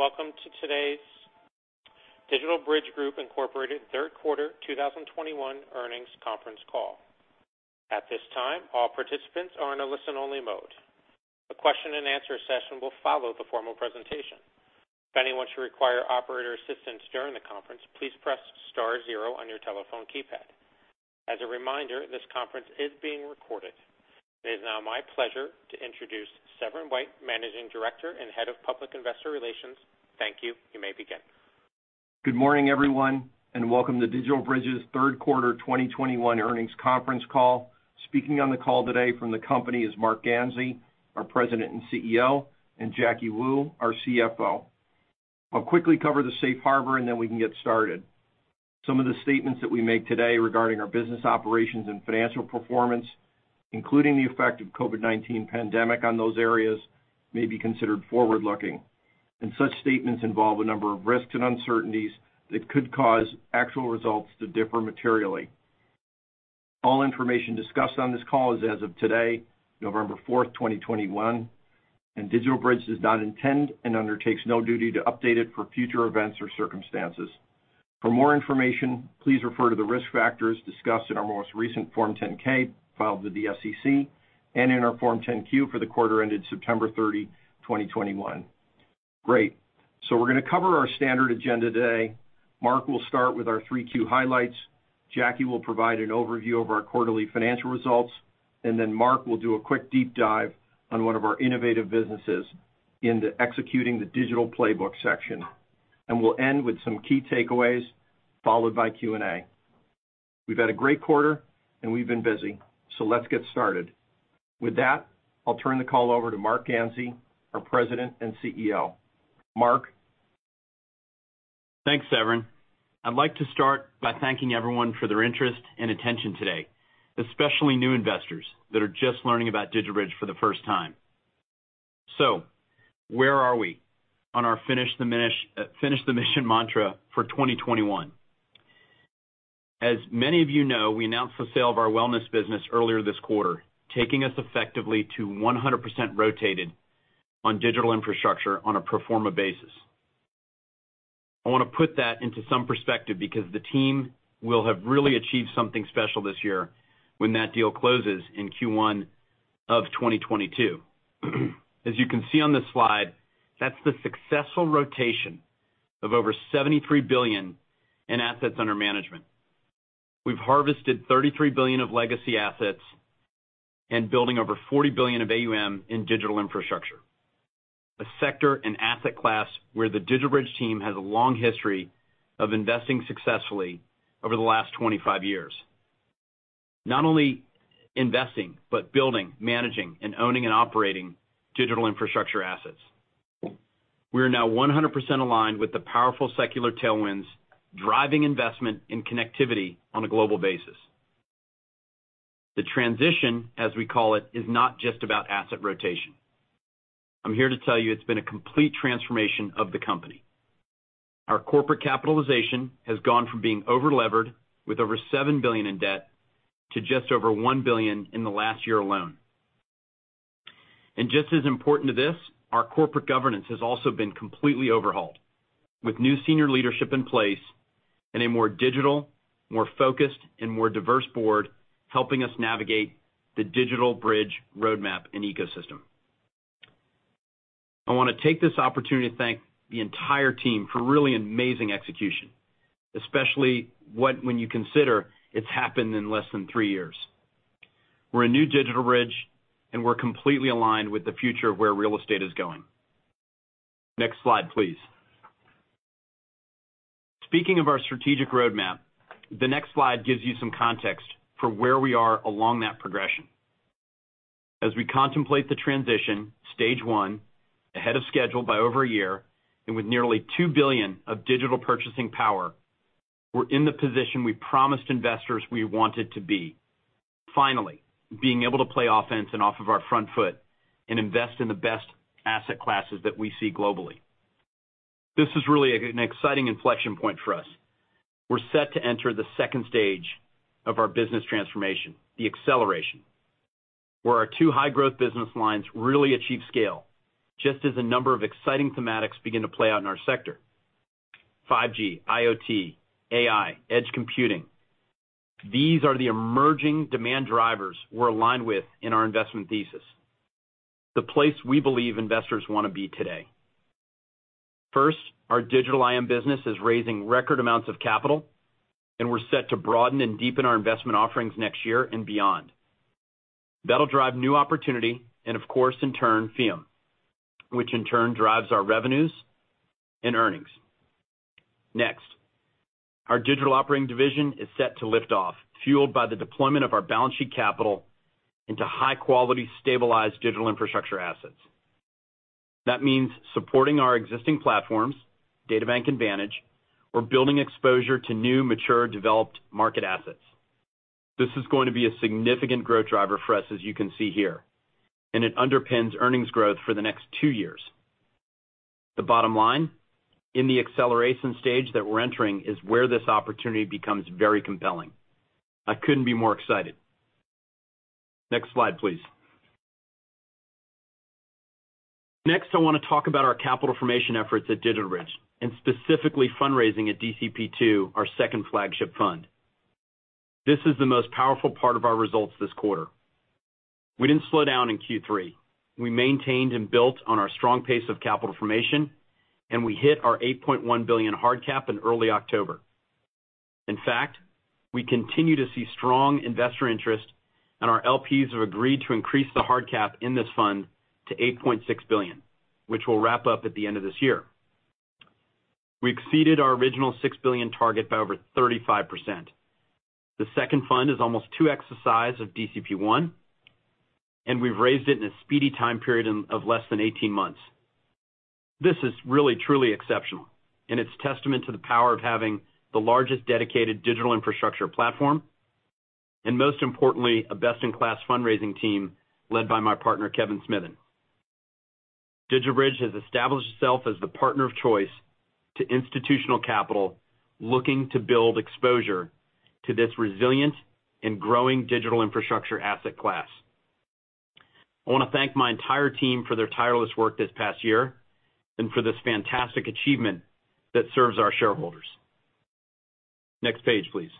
Welcome to today's DigitalBridge Group, Inc. Q3 2021 earnings conference call. At this time, all participants are in a listen-only mode. A Q&A session will follow the formal presentation. If anyone should require operator assistance during the conference, please press star zero on your telephone keypad. As a reminder, this conference is being recorded. It is now my pleasure to introduce Severin White, Managing Director and Head of Public Investor Relations. Thank you. You may begin. Good morning, everyone, and welcome to DigitalBridge's Q3 2021 earnings conference call. Speaking on the call today from the company is Marc Ganzi, our President and Chief Executive Officer, and Jacky Wu, our Chief Financial Officer. I'll quickly cover the safe harbor, and then we can get started. Some of the statements that we make today regarding our business operations and financial performance, including the effect of COVID-19 pandemic on those areas, may be considered forward-looking, and such statements involve a number of risks and uncertainties that could cause actual results to differ materially. All information discussed on this call is as of today, November 4, 2021, and DigitalBridge does not intend and undertakes no duty to update it for future events or circumstances. For more information, please refer to the risk factors discussed in our most recent Form 10-K filed with the SEC and in our Form 10-Q for the quarter ended September 30, 2021. Great. We're gonna cover our standard agenda today. Marc will start with our 3Q highlights. Jacky will provide an overview of our quarterly financial results, and then Marc will do a quick deep dive on one of our innovative businesses in the executing the digital playbook section. We'll end with some key takeaways, followed by Q&A. We've had a great quarter, and we've been busy, so let's get started. With that, I'll turn the call over to Marc Ganzi, our President and Chief Executive Officer. Marc. Thanks, Severin. I'd like to start by thanking everyone for their interest and attention today, especially new investors that are just learning about DigitalBridge for the first time. Where are we on our finish the mission mantra for 2021? As many of you know, we announced the sale of our wellness business earlier this quarter, taking us effectively to 100% rotated on digital infrastructure on a pro forma basis. I wanna put that into some perspective because the team will have really achieved something special this year when that deal closes in Q1 of 2022. As you can see on this slide, that's the successful rotation of over $73 billion in assets under management. We've harvested $33 billion of legacy assets and building over $40 billion of AUM in digital infrastructure, a sector and asset class where the DigitalBridge team has a long history of investing successfully over the last 25 years. Not only investing, but building, managing, and owning and operating digital infrastructure assets. We are now 100% aligned with the powerful secular tailwinds driving investment in connectivity on a global basis. The transition, as we call it, is not just about asset rotation. I'm here to tell you it's been a complete transformation of the company. Our corporate capitalization has gone from being over-levered with over $7 billion in debt to just over $1 billion in the last year alone. Just as important to this, our corporate governance has also been completely overhauled with new senior leadership in place and a more digital, more focused, and more diverse board helping us navigate the DigitalBridge roadmap and ecosystem. I wanna take this opportunity to thank the entire team for really amazing execution, especially when you consider it's happened in less than three years. We're a new DigitalBridge, and we're completely aligned with the future of where real estate is going. Next slide, please. Speaking of our strategic roadmap, the next slide gives you some context for where we are along that progression. As we contemplate the transition, stage one, ahead of schedule by over a year and with nearly $2 billion of digital purchasing power, we're in the position we promised investors we wanted to be. Finally, being able to play offense and off of our front foot and invest in the best asset classes that we see globally. This is really an exciting inflection point for us. We're set to enter the second stage of our business transformation, the acceleration, where our two high-growth business lines really achieve scale just as a number of exciting thematics begin to play out in our sector. 5G, IoT, AI, edge computing. These are the emerging demand drivers we're aligned with in our investment thesis, the place we believe investors wanna be today. First, our Digital IM business is raising record amounts of capital, and we're set to broaden and deepen our investment offerings next year and beyond. That'll drive new opportunity and of course in turn, fee, which in turn drives our revenues and earnings. Next, our digital operating division is set to lift off, fueled by the deployment of our balance sheet capital into high-quality, stabilized digital infrastructure assets. That means supporting our existing platforms, DataBank and Vantage. We're building exposure to new, mature, developed market assets. This is going to be a significant growth driver for us, as you can see here, and it underpins earnings growth for the next two years. The bottom line, in the acceleration stage that we're entering is where this opportunity becomes very compelling. I couldn't be more excited. Next slide, please. Next, I want to talk about our capital formation efforts at DigitalBridge, and specifically fundraising at DCP II, our second flagship fund. This is the most powerful part of our results this quarter. We didn't slow down in Q3. We maintained and built on our strong pace of capital formation, and we hit our $8.1 billion hard cap in early October. In fact, we continue to see strong investor interest, and our LPs have agreed to increase the hard cap in this fund to $8.6 billion, which will wrap up at the end of this year. We exceeded our original $6 billion target by over 35%. The second fund is almost 2x the size of DCP I, and we've raised it in a speedy time period of less than 18 months. This is really truly exceptional, and it's testament to the power of having the largest dedicated digital infrastructure platform, and most importantly, a best-in-class fundraising team led by my partner, Kevin Smithen. DigitalBridge has established itself as the partner of choice to institutional capital looking to build exposure to this resilient and growing digital infrastructure asset class. I wanna thank my entire team for their tireless work this past year and for this fantastic achievement that serves our shareholders. Next page, please.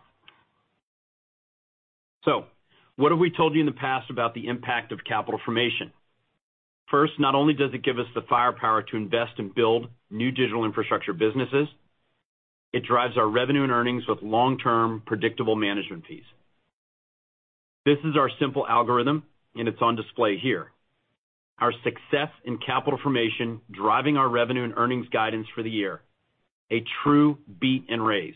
What have we told you in the past about the impact of capital formation? First, not only does it give us the firepower to invest and build new digital infrastructure businesses, it drives our revenue and earnings with long-term predictable management fees. This is our simple algorithm, and it's on display here. Our success in capital formation, driving our revenue and earnings guidance for the year, a true beat and raise.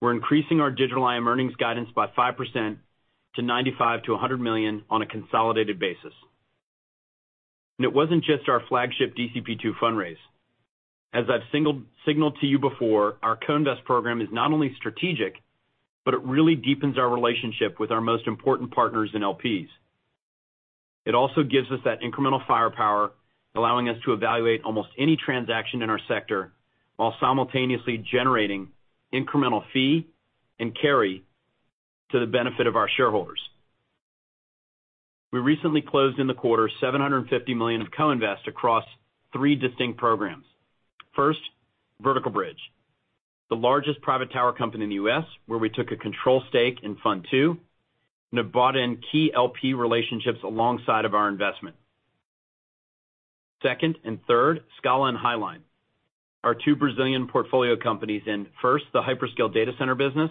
We're increasing our Digital IM earnings guidance by 5% to $95 million-$100 million on a consolidated basis. It wasn't just our flagship DCP two fundraise. As I've signaled to you before, our co-invest program is not only strategic, but it really deepens our relationship with our most important partners in LPs. It also gives us that incremental firepower, allowing us to evaluate almost any transaction in our sector while simultaneously generating incremental fee and carry to the benefit of our shareholders. We recently closed in the quarter $750 million of co-invest across three distinct programs. First, Vertical Bridge, the largest private tower company in the U.S., where we took a control stake in fund two, and have brought in key LP relationships alongside of our investment. Second and third, Scala and Highline, our two Brazilian portfolio companies in, first, the hyperscale data center business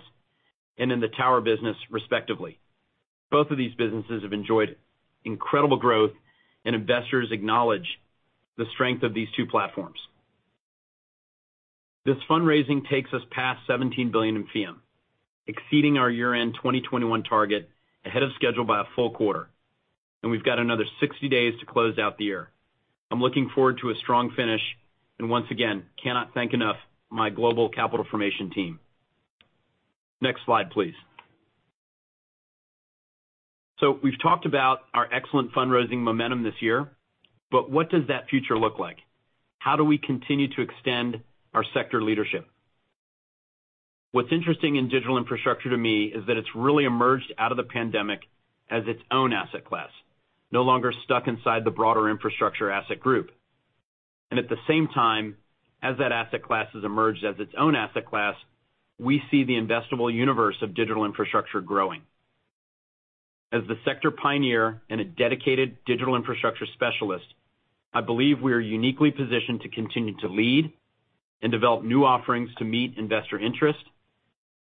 and in the tower business, respectively. Both of these businesses have enjoyed incredible growth, and investors acknowledge the strength of these two platforms. This fundraising takes us past $17 billion in FEEUM, exceeding our year-end 2021 target ahead of schedule by a full quarter, and we've got another 60 days to close out the year. I'm looking forward to a strong finish, and once again, cannot thank enough my global capital formation team. Next slide, please. So we've talked about our excellent fundraising momentum this year, but what does that future look like? How do we continue to extend our sector leadership? What's interesting in digital infrastructure to me is that it's really emerged out of the pandemic as its own asset class, no longer stuck inside the broader infrastructure asset group. At the same time, as that asset class has emerged as its own asset class, we see the investable universe of digital infrastructure growing. As the sector pioneer and a dedicated digital infrastructure specialist, I believe we are uniquely positioned to continue to lead and develop new offerings to meet investor interest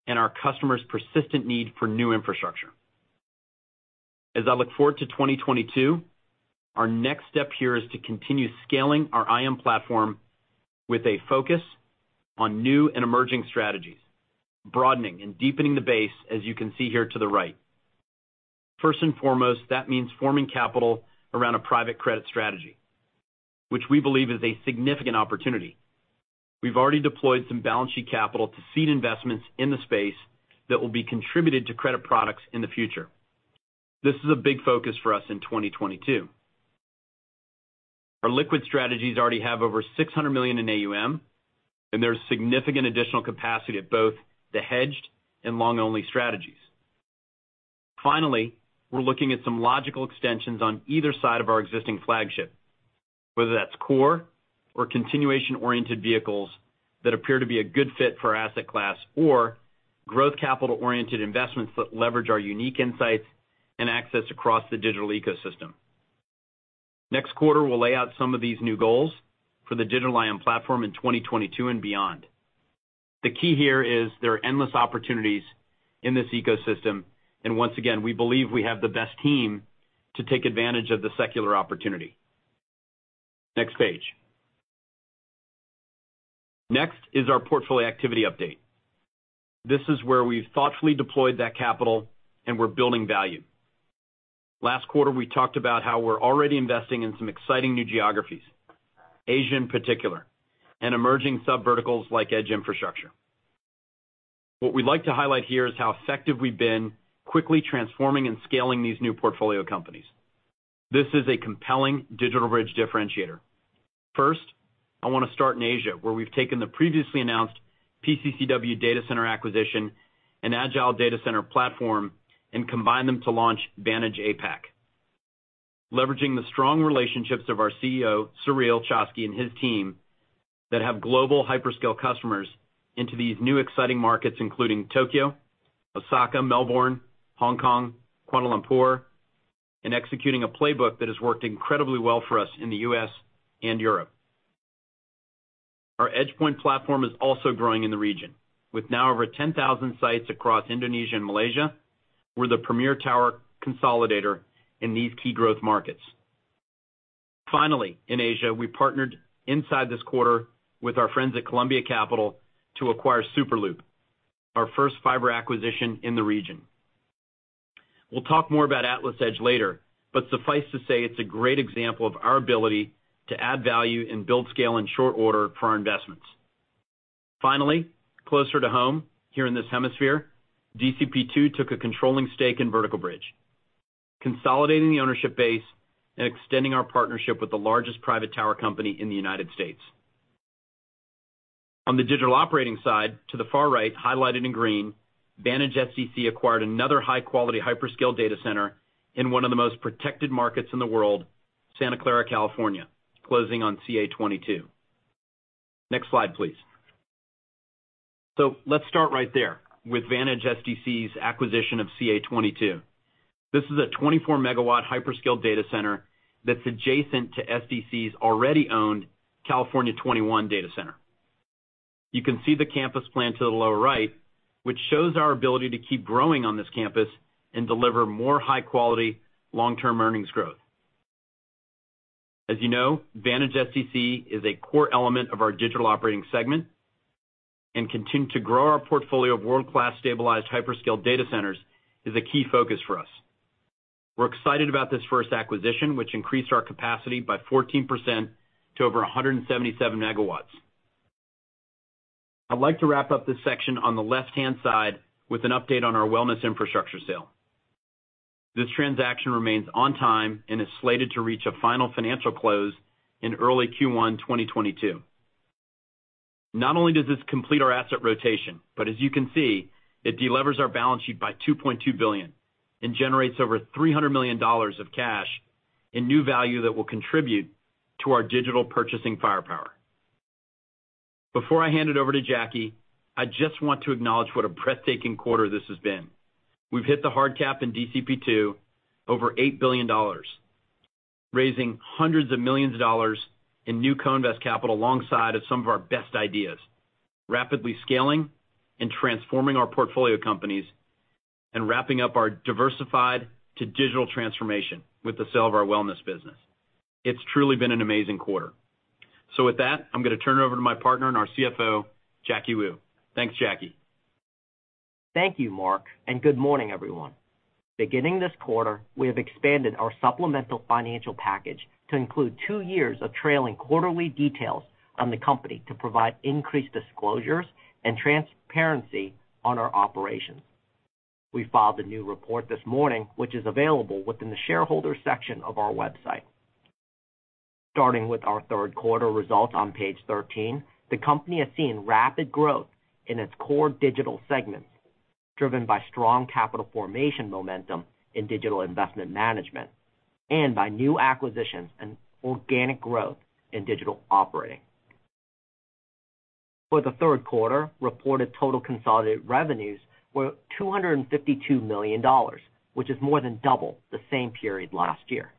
and our customers' persistent need for new infrastructure. As I look forward to 2022, our next step here is to continue scaling our IM platform with a focus on new and emerging strategies, broadening and deepening the base, as you can see here to the right. First and foremost, that means forming capital around a private credit strategy, which we believe is a significant opportunity. We've already deployed some balance sheet capital to seed investments in the space that will be contributed to credit products in the future. This is a big focus for us in 2022. Our liquid strategies already have over $600 million in AUM, and there's significant additional capacity at both the hedged and long-only strategies. Finally, we're looking at some logical extensions on either side of our existing flagship, whether that's core or continuation-oriented vehicles that appear to be a good fit for our asset class or growth capital-oriented investments that leverage our unique insights and access across the digital ecosystem. Next quarter, we'll lay out some of these new goals for the Digital IM platform in 2022 and beyond. The key here is there are endless opportunities in this ecosystem, and once again, we believe we have the best team to take advantage of the secular opportunity. Next page. Next is our portfolio activity update. This is where we've thoughtfully deployed that capital, and we're building value. Last quarter, we talked about how we're already investing in some exciting new geographies, Asia in particular, and emerging sub-verticals like edge infrastructure. What we'd like to highlight here is how effective we've been quickly transforming and scaling these new portfolio companies. This is a compelling DigitalBridge differentiator. First, I want to start in Asia, where we've taken the previously announced PCCW data center acquisition and Agile Data Centers Platform and combined them to launch Vantage APAC. Leveraging the strong relationships of our Chief Executive Officer, Sureel Choksi, and his team that have global hyperscale customers into these new exciting markets, including Tokyo, Osaka, Melbourne, Hong Kong, Kuala Lumpur, and executing a playbook that has worked incredibly well for us in the U.S. and Europe. Our EdgePoint platform is also growing in the region, with now over 10,000 sites across Indonesia and Malaysia. We're the premier tower consolidator in these key growth markets. Finally, in Asia, we partnered inside this quarter with our friends at Columbia Capital to acquire Superloop, our first fiber acquisition in the region. We'll talk more about AtlasEdge later, but suffice to say it's a great example of our ability to add value and build scale in short order for our investments. Finally, closer to home, here in this hemisphere, DCP II took a controlling stake in Vertical Bridge, consolidating the ownership base and extending our partnership with the largest private tower company in the United States. On the digital operating side, to the far right, highlighted in green, Vantage SDC acquired another high-quality hyperscale data center in one of the most protected markets in the world, Santa Clara, California, closing on CA-22. Next slide, please. So let's start right there with Vantage SDC's acquisition of CA-22. This is a 24 MW hyperscale data center that's adjacent to SDC's already owned California 21 data center. You can see the campus plan to the lower right, which shows our ability to keep growing on this campus and deliver more high-quality, long-term earnings growth. As you know, Vantage SDC is a core element of our digital operating segment, and continuing to grow our portfolio of world-class stabilized hyperscale data centers is a key focus for us. We're excited about this first acquisition, which increased our capacity by 14% to over 177 MW. I'd like to wrap up this section on the left-hand side with an update on our wireless infrastructure sale. This transaction remains on time and is slated to reach a final financial close in early Q1 2022. Not only does this complete our asset rotation, but as you can see, it delevers our balance sheet by $2.2 billion and generates over $300 million of cash and new value that will contribute to our digital purchasing firepower. Before I hand it over to Jacky, I just want to acknowledge what a breathtaking quarter this has been. We've hit the hard cap in DCP II over $8 billion, raising hundreds of millions of dollars in new co-invest capital alongside of some of our best ideas, rapidly scaling and transforming our portfolio companies, and wrapping up our diversified to digital transformation with the sale of our wellness business. It's truly been an amazing quarter. With that, I'm going to turn it over to my partner and our Chief Financial Officer, Jacky Wu. Thanks, Jacky. Thank you, Marc, and good morning, everyone. Beginning this quarter, we have expanded our supplemental financial package to include two years of trailing quarterly details on the company to provide increased disclosures and transparency on our operations. We filed a new report this morning, which is available within the Shareholders section of our website. Starting with our Q3 results on page 13, the company has seen rapid growth in its core digital segments, driven by strong capital formation momentum in digital investment management and by new acquisitions and organic growth in digital operating. For the Q3, reported total consolidated revenues were $252 million, which is more than double the same period last year.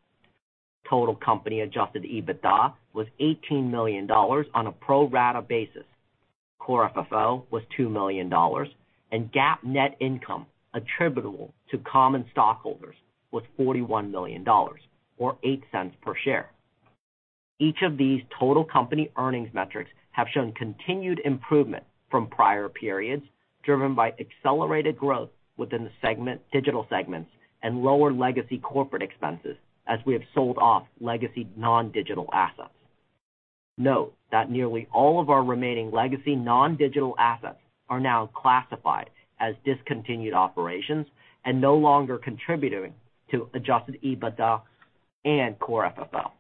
Total company adjusted EBITDA was $18 million on a pro rata basis. Core FFO was $2 million, and GAAP net income attributable to common stockholders was $41 million or $0.08 per share. Each of these total company earnings metrics have shown continued improvement from prior periods, driven by accelerated growth within the segment, digital segments and lower legacy corporate expenses as we have sold off legacy non-digital assets. Note that nearly all of our remaining legacy non-digital assets are now classified as discontinued operations and no longer contributing to adjusted EBITDA and core FFO.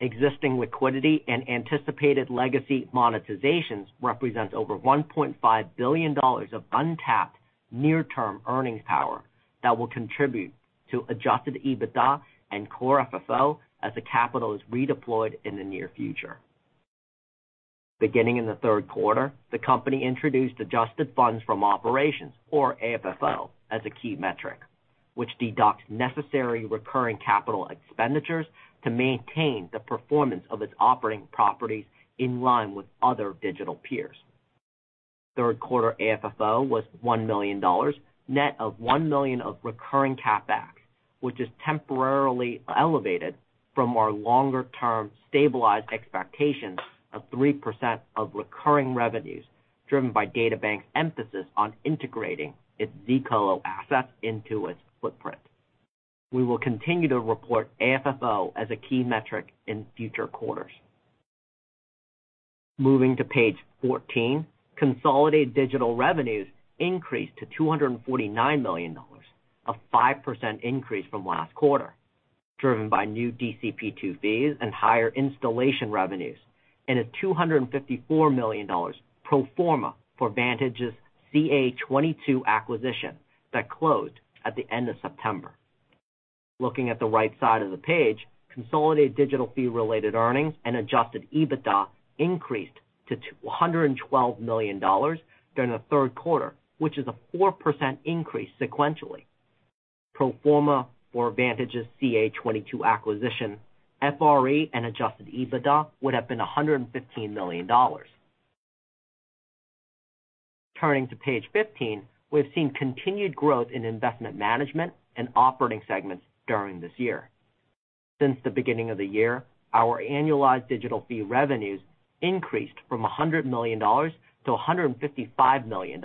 Existing liquidity and anticipated legacy monetizations represents over $1.5 billion of untapped near-term earnings power that will contribute to adjusted EBITDA and core FFO as the capital is redeployed in the near future. Beginning in the Q3, the company introduced adjusted funds from operations or AFFO as a key metric, which deducts necessary recurring capital expenditures to maintain the performance of its operating properties in line with other digital peers. Q3 AFFO was $1 million, net of $1 million of recurring CapEx, which is temporarily elevated from our longer-term stabilized expectations of 3% of recurring revenues driven by DataBank's emphasis on integrating its zColo assets into its footprint. We will continue to report AFFO as a key metric in future quarters. Moving to page 14. Consolidated digital revenues increased to $249 million, a 5% increase from last quarter, driven by new DCP II fees and higher installation revenues, and a $254 million pro forma for Vantage's CA 22 acquisition that closed at the end of September. Looking at the right side of the page, consolidated digital fee related earnings and adjusted EBITDA increased to $112 million during the Q3, which is a 4% increase sequentially. Pro forma for Vantage's CA 22 acquisition, FRE and adjusted EBITDA would have been $115 million. Turning to page 15, we've seen continued growth in investment management and operating segments during this year. Since the beginning of the year, our annualized digital fee revenues increased from $100 million to $155 million,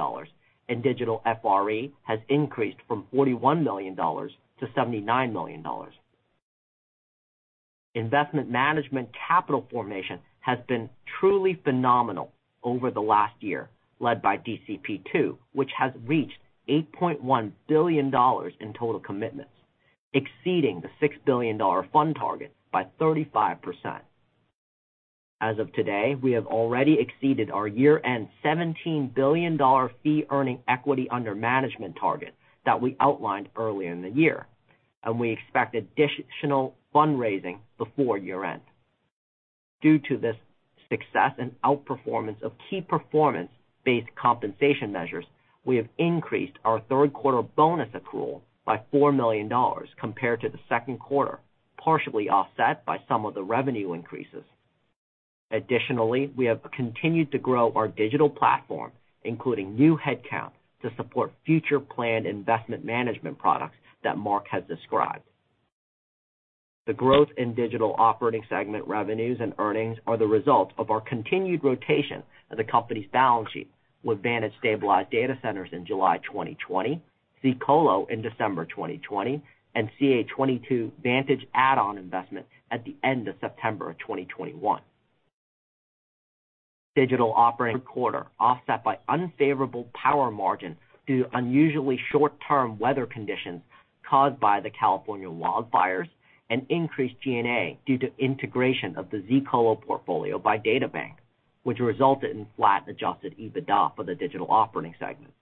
and digital FRE has increased from $41 million to $79 million. Investment management capital formation has been truly phenomenal over the last year, led by DCP II, which has reached $8.1 billion in total commitments, exceeding the $6 billion fund target by 35%. As of today, we have already exceeded our year-end $17 billion fee earning equity under management target that we outlined earlier in the year, and we expect additional fundraising before year-end. Due to this success and outperformance of key performance based compensation measures, we have increased our Q3 bonus accrual by $4 million compared to the Q2, partially offset by some of the revenue increases. Additionally, we have continued to grow our Digital platform, including new headcount, to support future planned investment management products that Marc has described. The growth in Digital operating segment revenues and earnings are the result of our continued rotation of the company's balance sheet with Vantage SDC in July 2020, zColo in December 2020, and CA22 Vantage add-on investment at the end of September 2021. Digital operating quarter, offset by unfavorable power margins due to unusually short-term weather conditions caused by the California wildfires and increased G&A due to integration of the zColo portfolio by DataBank, which resulted in flat adjusted EBITDA for the digital operating segment.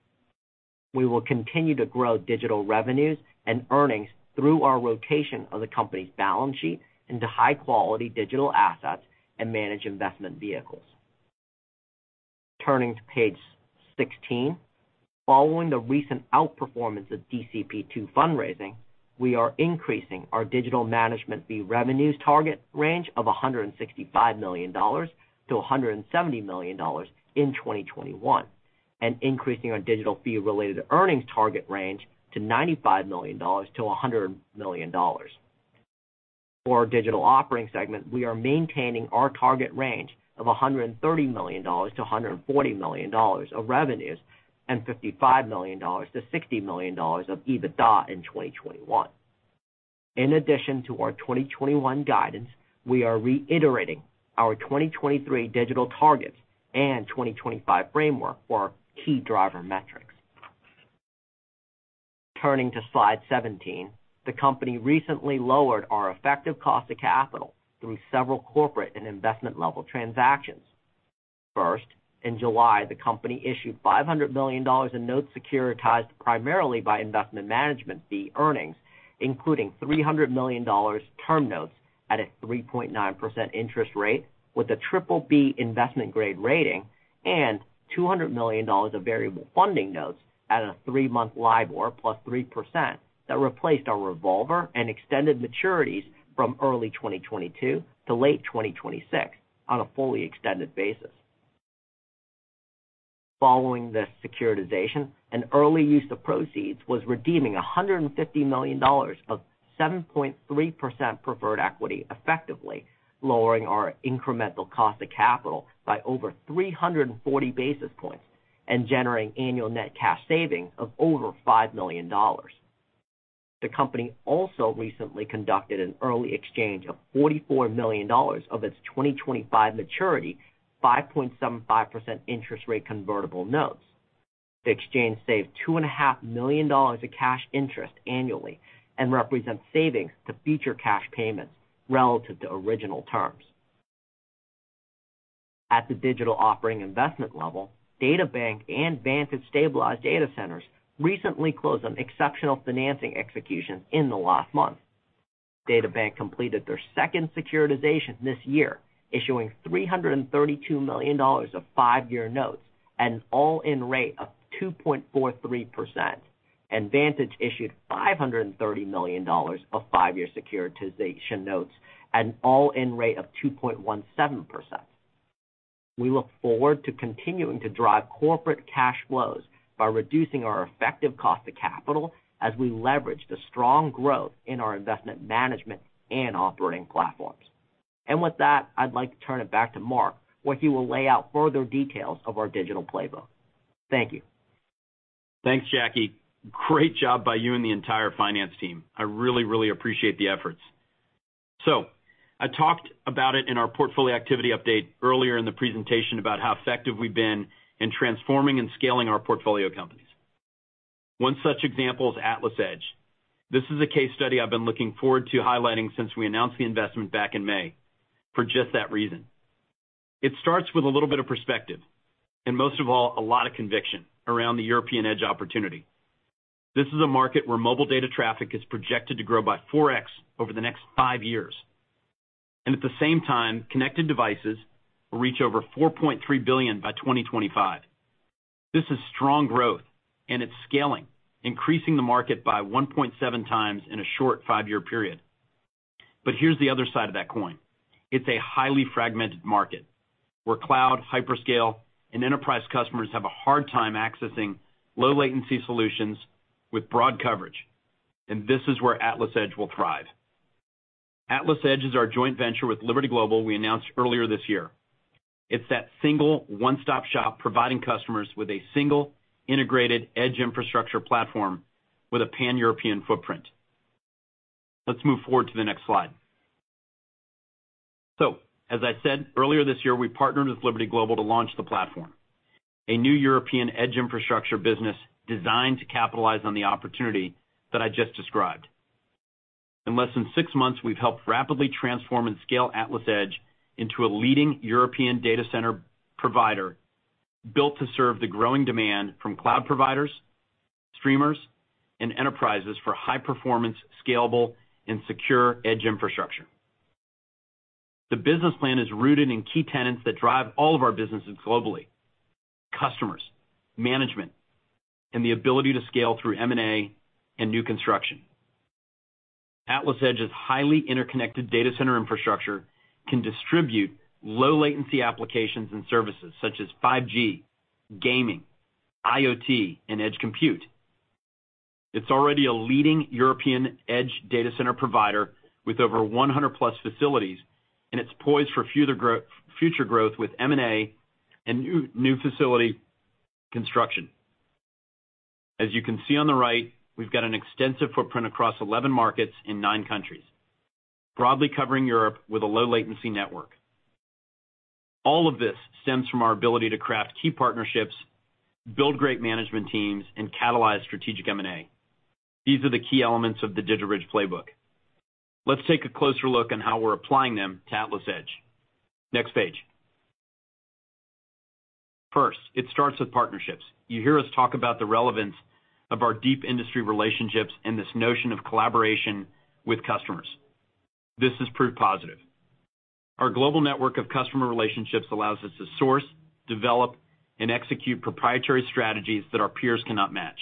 We will continue to grow digital revenues and earnings through our rotation of the company's balance sheet into high-quality digital assets and manage investment vehicles. Turning to page 16. Following the recent outperformance of DCP II fundraising, we are increasing our digital management fee revenues target range of $165 million-$170 million in 2021, and increasing our digital fee-related earnings target range to $95 million-$100 million. For our digital operating segment, we are maintaining our target range of $130 million-$140 million of revenues and $55 million-$60 million of EBITDA in 2021. In addition to our 2021 guidance, we are reiterating our 2023 digital targets and 2025 framework for our key driver metrics. Turning to slide 17. The company recently lowered our effective cost of capital through several corporate and investment-level transactions. First, in July, the company issued $500 million in notes securitized primarily by investment management fee earnings, including $300 million term notes at a 3.9% interest rate with a BBB investment grade rating and $200 million of variable funding notes at a 3-month LIBOR +3% that replaced our revolver and extended maturities from early 2022 to late 2026 on a fully extended basis. Following the securitization, an early use of proceeds was redeeming $150 million of 7.3% preferred equity, effectively lowering our incremental cost of capital by over 340 basis points and generating annual net cash savings of over $5 million. The company also recently conducted an early exchange of $44 million of its 2025 maturity 5.75% interest rate convertible notes. The exchange saved $2.5 million of cash interest annually and represents savings to future cash payments relative to original terms. At the digital operating investment level, DataBank and Vantage Stabilized Data Centers recently closed on exceptional financing execution in the last month. DataBank completed their second securitization this year, issuing $332 million of five-year notes at an all-in rate of 2.43%, and Vantage issued $530 million of five-year securitization notes at an all-in rate of 2.17%. We look forward to continuing to drive corporate cash flows by reducing our effective cost of capital as we leverage the strong growth in our investment management and operating platforms. With that, I'd like to turn it back to Marc, where he will lay out further details of our digital playbook. Thank you. Thanks, Jacky. Great job by you and the entire finance team. I really, really appreciate the efforts. I talked about it in our portfolio activity update earlier in the presentation about how effective we've been in transforming and scaling our portfolio companies. One such example is AtlasEdge. This is a case study I've been looking forward to highlighting since we announced the investment back in May for just that reason. It starts with a little bit of perspective, and most of all, a lot of conviction around the European edge opportunity. This is a market where mobile data traffic is projected to grow by 4x over the next five years, and at the same time, connected devices will reach over 4.3 billion by 2025. This is strong growth and it's scaling, increasing the market by 1.7x in a short five-year period. Here's the other side of that coin. It's a highly fragmented market where cloud, hyperscale, and enterprise customers have a hard time accessing low latency solutions with broad coverage. This is where AtlasEdge will thrive. AtlasEdge is our joint venture with Liberty Global we announced earlier this year. It's that single one-stop-shop, providing customers with a single integrated edge infrastructure platform with a Pan-European footprint. Let's move forward to the next slide. As I said earlier this year, we partnered with Liberty Global to launch the platform, a new European edge infrastructure business designed to capitalize on the opportunity that I just described. In less than six months, we've helped rapidly transform and scale AtlasEdge into a leading European data center provider built to serve the growing demand from cloud providers, streamers, and enterprises for high-performance, scalable, and secure edge infrastructure. The business plan is rooted in key tenets that drive all of our businesses globally, customers, management, and the ability to scale through M&A and new construction. AtlasEdge's highly interconnected data center infrastructure can distribute low latency applications and services such as 5G, gaming, IoT, and edge compute. It's already a leading European edge data center provider with over 100+ facilities, and it's poised for future growth with M&A and new facility construction. As you can see on the right, we've got an extensive footprint across 11 markets in nine countries, broadly covering Europe with a low latency network. All of this stems from our ability to craft key partnerships, build great management teams, and catalyze strategic M&A. These are the key elements of the DigitalBridge playbook. Let's take a closer look on how we're applying them to AtlasEdge. Next page. First, it starts with partnerships. You hear us talk about the relevance of our deep industry relationships and this notion of collaboration with customers. This has proved positive. Our global network of customer relationships allows us to source, develop, and execute proprietary strategies that our peers cannot match.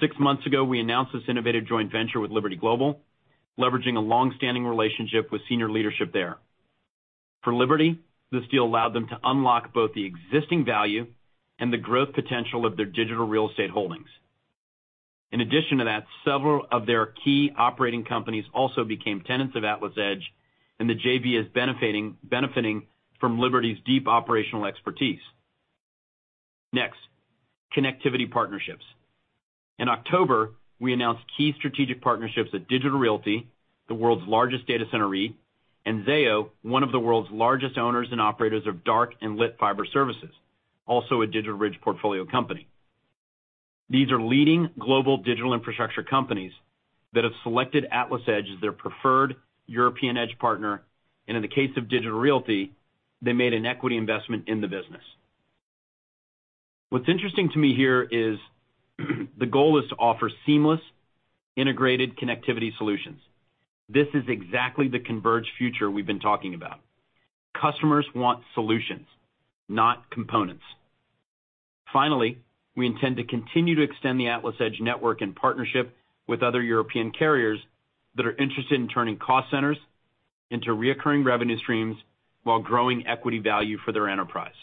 Six months ago, we announced this innovative joint venture with Liberty Global, leveraging a long-standing relationship with senior leadership there. For Liberty, this deal allowed them to unlock both the existing value and the growth potential of their digital real estate holdings. In addition to that, several of their key operating companies also became tenants of AtlasEdge, and the JV is benefiting from Liberty's deep operational expertise. Next, connectivity partnerships. In October, we announced key strategic partnerships at Digital Realty, the world's largest data center REIT, and Zayo, one of the world's largest owners and operators of dark and lit fiber services, also a DigitalBridge portfolio company. These are leading global digital infrastructure companies that have selected AtlasEdge as their preferred European edge partner. In the case of Digital Realty, they made an equity investment in the business. What's interesting to me here is the goal is to offer seamless integrated connectivity solutions. This is exactly the converged future we've been talking about. Customers want solutions, not components. Finally, we intend to continue to extend the AtlasEdge network in partnership with other European carriers that are interested in turning cost centers into recurring revenue streams while growing equity value for their enterprise.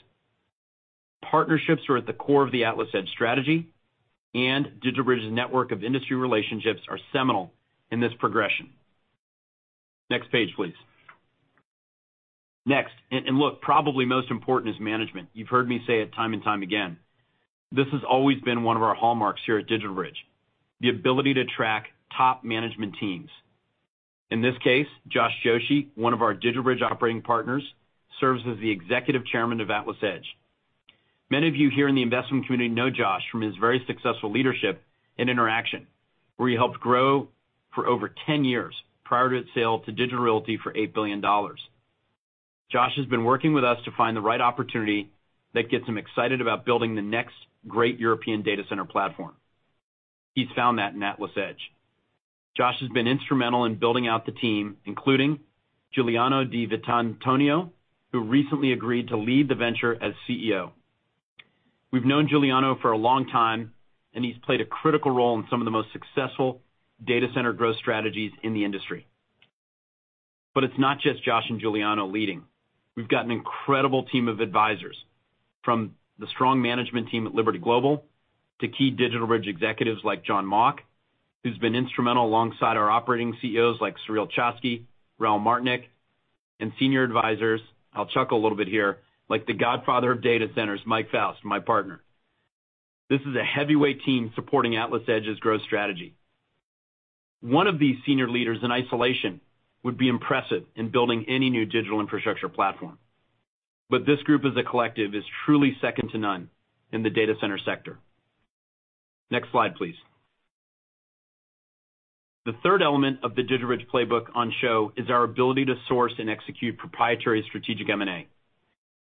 Partnerships are at the core of the AtlasEdge strategy, and DigitalBridge's network of industry relationships are seminal in this progression. Next page, please. Look, probably most important is management. You've heard me say it time and time again. This has always been one of our hallmarks here at DigitalBridge, the ability to attract top management teams. In this case, Josh Joshi, one of our DigitalBridge operating partners, serves as the Executive Chairman of AtlasEdge. Many of you here in the investment community know Josh from his very successful leadership in Interxion, where he helped grow for over 10 years prior to its sale to Digital Realty for $8 billion. Josh has been working with us to find the right opportunity that gets him excited about building the next great European data center platform. He's found that in AtlasEdge. Josh has been instrumental in building out the team, including Giuliano Di Vitantonio, who recently agreed to lead the venture as Chief Executive Officer. We've known Giuliano for a long time, and he's played a critical role in some of the most successful data center growth strategies in the industry. It's not just Josh and Giuliano leading. We've got an incredible team of advisors from the strong management team at Liberty Global to key DigitalBridge executives like Jon Mauck, who's been instrumental alongside our operating Chief Executive Officers like Sureel Choksi, Raul Martynek. Senior advisors, I'll chuckle a little bit here, like the godfather of data centers, Mike Foust, my partner. This is a heavyweight team supporting AtlasEdge's growth strategy. One of these senior leaders in isolation would be impressive in building any new digital infrastructure platform. This group as a collective is truly second to none in the data center sector. Next slide, please. The third element of the DigitalBridge playbook on show is our ability to source and execute proprietary strategic M&A.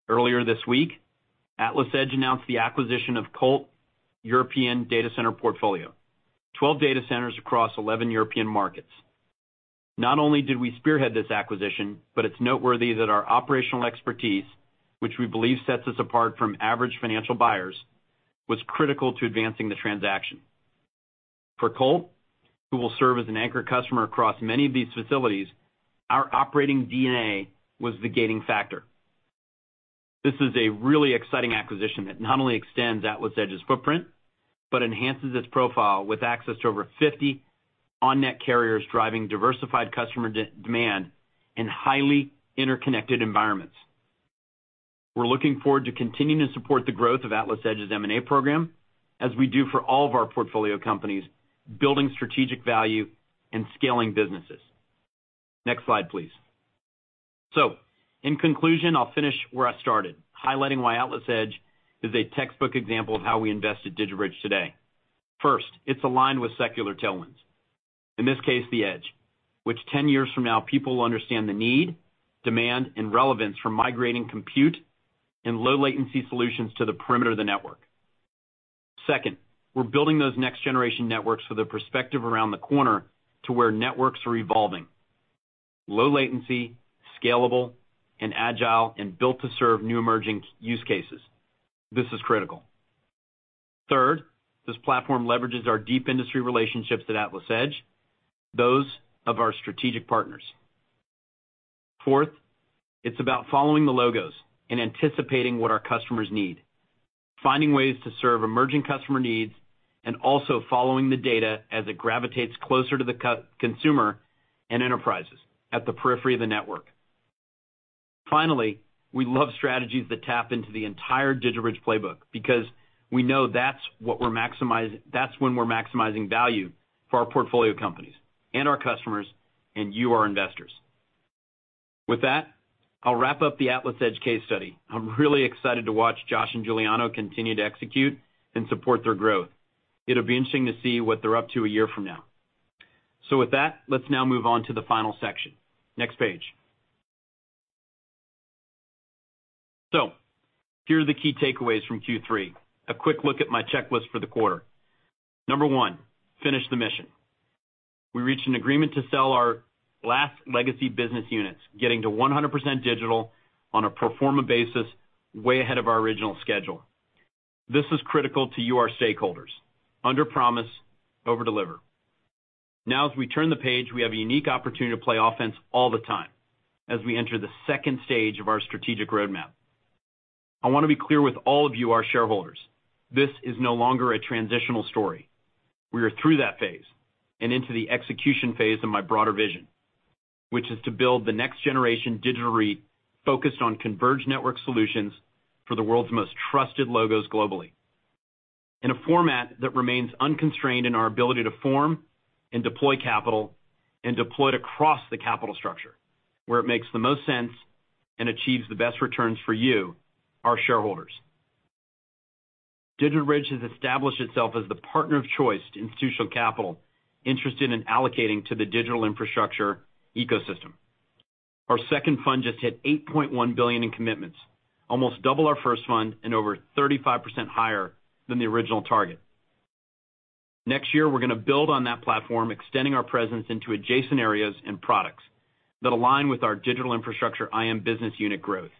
Earlier this week, AtlasEdge announced the acquisition of Colt European data center portfolio, 12 data centers across 11 European markets. Not only did we spearhead this acquisition, but it's noteworthy that our operational expertise, which we believe sets us apart from average financial buyers, was critical to advancing the transaction. For Colt, who will serve as an anchor customer across many of these facilities, our operating DNA was the gating factor. This is a really exciting acquisition that not only extends AtlasEdge's footprint, but enhances its profile with access to over 50 on-net carriers driving diversified customer demand in highly interconnected environments. We're looking forward to continuing to support the growth of AtlasEdge's M&A program as we do for all of our portfolio companies, building strategic value and scaling businesses. Next slide, please. In conclusion, I'll finish where I started, highlighting why AtlasEdge is a textbook example of how we invest at DigitalBridge today. First, it's aligned with secular tailwinds. In this case, the edge, which ten years from now, people will understand the need, demand, and relevance for migrating compute and low latency solutions to the perimeter of the network. Second, we're building those next-generation networks for the prospects around the corner to where networks are evolving, low latency, scalable and agile, and built to serve new emerging use cases. This is critical. Third, this platform leverages our deep industry relationships at AtlasEdge, those of our strategic partners. Fourth, it's about following the logic and anticipating what our customers need, finding ways to serve emerging customer needs, and also following the data as it gravitates closer to the consumer and enterprises at the periphery of the network. Finally, we love strategies that tap into the entire DigitalBridge playbook because we know that's when we're maximizing value for our portfolio companies and our customers and you, our investors. With that, I'll wrap up the AtlasEdge case study. I'm really excited to watch Josh and Giuliano continue to execute and support their growth. It'll be interesting to see what they're up to a year from now. With that, let's now move on to the final section. Next page. Here are the key takeaways from Q3. A quick look at my checklist for the quarter. Number one, finish the mission. We reached an agreement to sell our last legacy business units, getting to 100% digital on a pro forma basis, way ahead of our original schedule. This is critical to you, our stakeholders. Under promise, over deliver. Now, as we turn the page, we have a unique opportunity to play offense all the time as we enter the second stage of our strategic roadmap. I wanna be clear with all of you, our shareholders, this is no longer a transitional story. We are through that phase and into the execution phase of my broader vision, which is to build the next generation digital REIT focused on converged network solutions for the world's most trusted logos globally, in a format that remains unconstrained in our ability to form and deploy capital, and deploy it across the capital structure where it makes the most sense and achieves the best returns for you, our shareholders. DigitalBridge has established itself as the partner of choice to institutional capital interested in allocating to the digital infrastructure ecosystem. Our second fund just hit $8.1 billion in commitments, almost double our first fund and over 35% higher than the original target. Next year, we're gonna build on that platform, extending our presence into adjacent areas and products that align with our digital infrastructure IM business unit growth.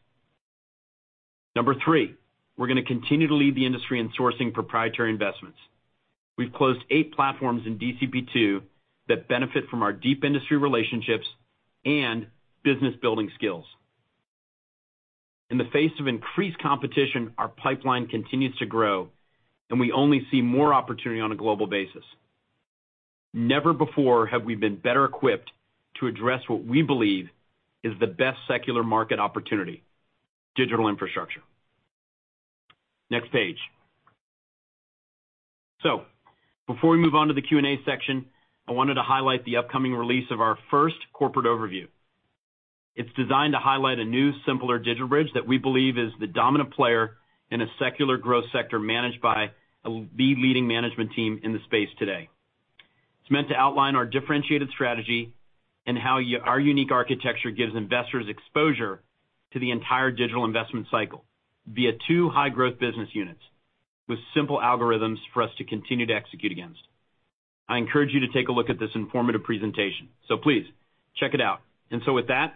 Number three, we're gonna continue to lead the industry in sourcing proprietary investments. We've closed 8 platforms in DCP II that benefit from our deep industry relationships and business-building skills. In the face of increased competition, our pipeline continues to grow, and we only see more opportunity on a global basis. Never before have we been better equipped to address what we believe is the best secular market opportunity, digital infrastructure. Next page. Before we move on to the Q&A section, I wanted to highlight the upcoming release of our first corporate overview. It's designed to highlight a new, simpler DigitalBridge that we believe is the dominant player in a secular growth sector managed by a leading management team in the space today. It's meant to outline our differentiated strategy and how our unique architecture gives investors exposure to the entire digital investment cycle via two high-growth business units with simple algorithms for us to continue to execute against. I encourage you to take a look at this informative presentation, so please check it out. With that,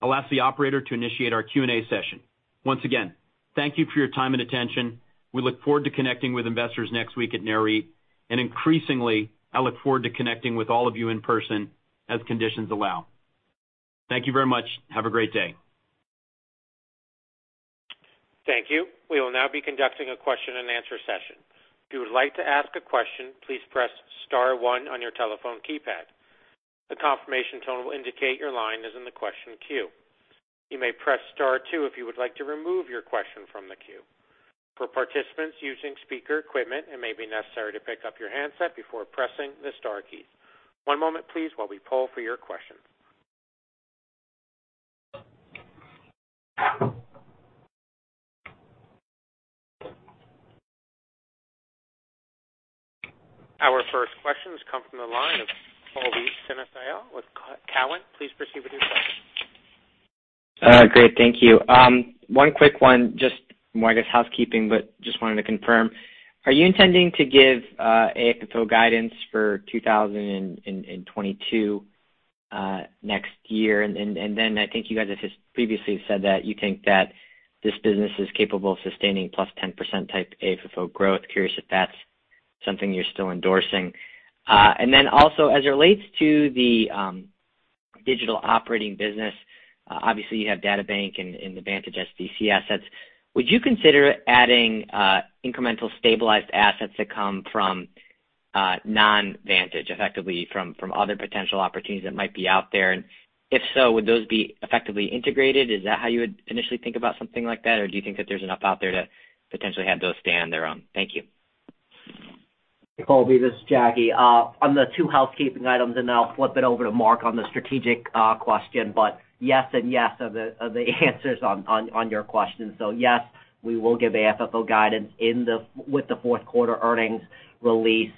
I'll ask the operator to initiate our Q&A session. Once again, thank you for your time and attention. We look forward to connecting with investors next week at Nareit. Increasingly, I look forward to connecting with all of you in person as conditions allow. Thank you very much. Have a great day. Thank you. We will now be conducting a Q&A session. If you would like to ask a question, please press star one on your telephone keypad. The confirmation tone will indicate your line is in the question queue. You may press star two if you would like to remove your question from the queue. For participants using speaker equipment, it may be necessary to pick up your handset before pressing the star key. One moment please while we poll for your questions. Our first question has come from the line of Colby Synesael with Cowen. Please proceed with your question. Great, thank you. One quick one, just more, I guess, housekeeping, but just wanted to confirm, are you intending to give AFFO guidance for 2022, next year? Then I think you guys have just previously said that you think that this business is capable of sustaining +10% type AFFO growth. Curious if that's something you're still endorsing. Then also, as it relates to the digital operating business, obviously you have DataBank and the Vantage SDC assets. Would you consider adding incremental stabilized assets that come from non-Vantage, effectively from other potential opportunities that might be out there? If so, would those be effectively integrated? Is that how you would initially think about something like that? Do you think that there's enough out there to potentially have those stand their own? Thank you. Colby, this is Jacky. On the two housekeeping items, and then I'll flip it over to Marc on the strategic question, but yes and yes are the answers on your question. Yes, we will give AFFO guidance with the Q4 earnings release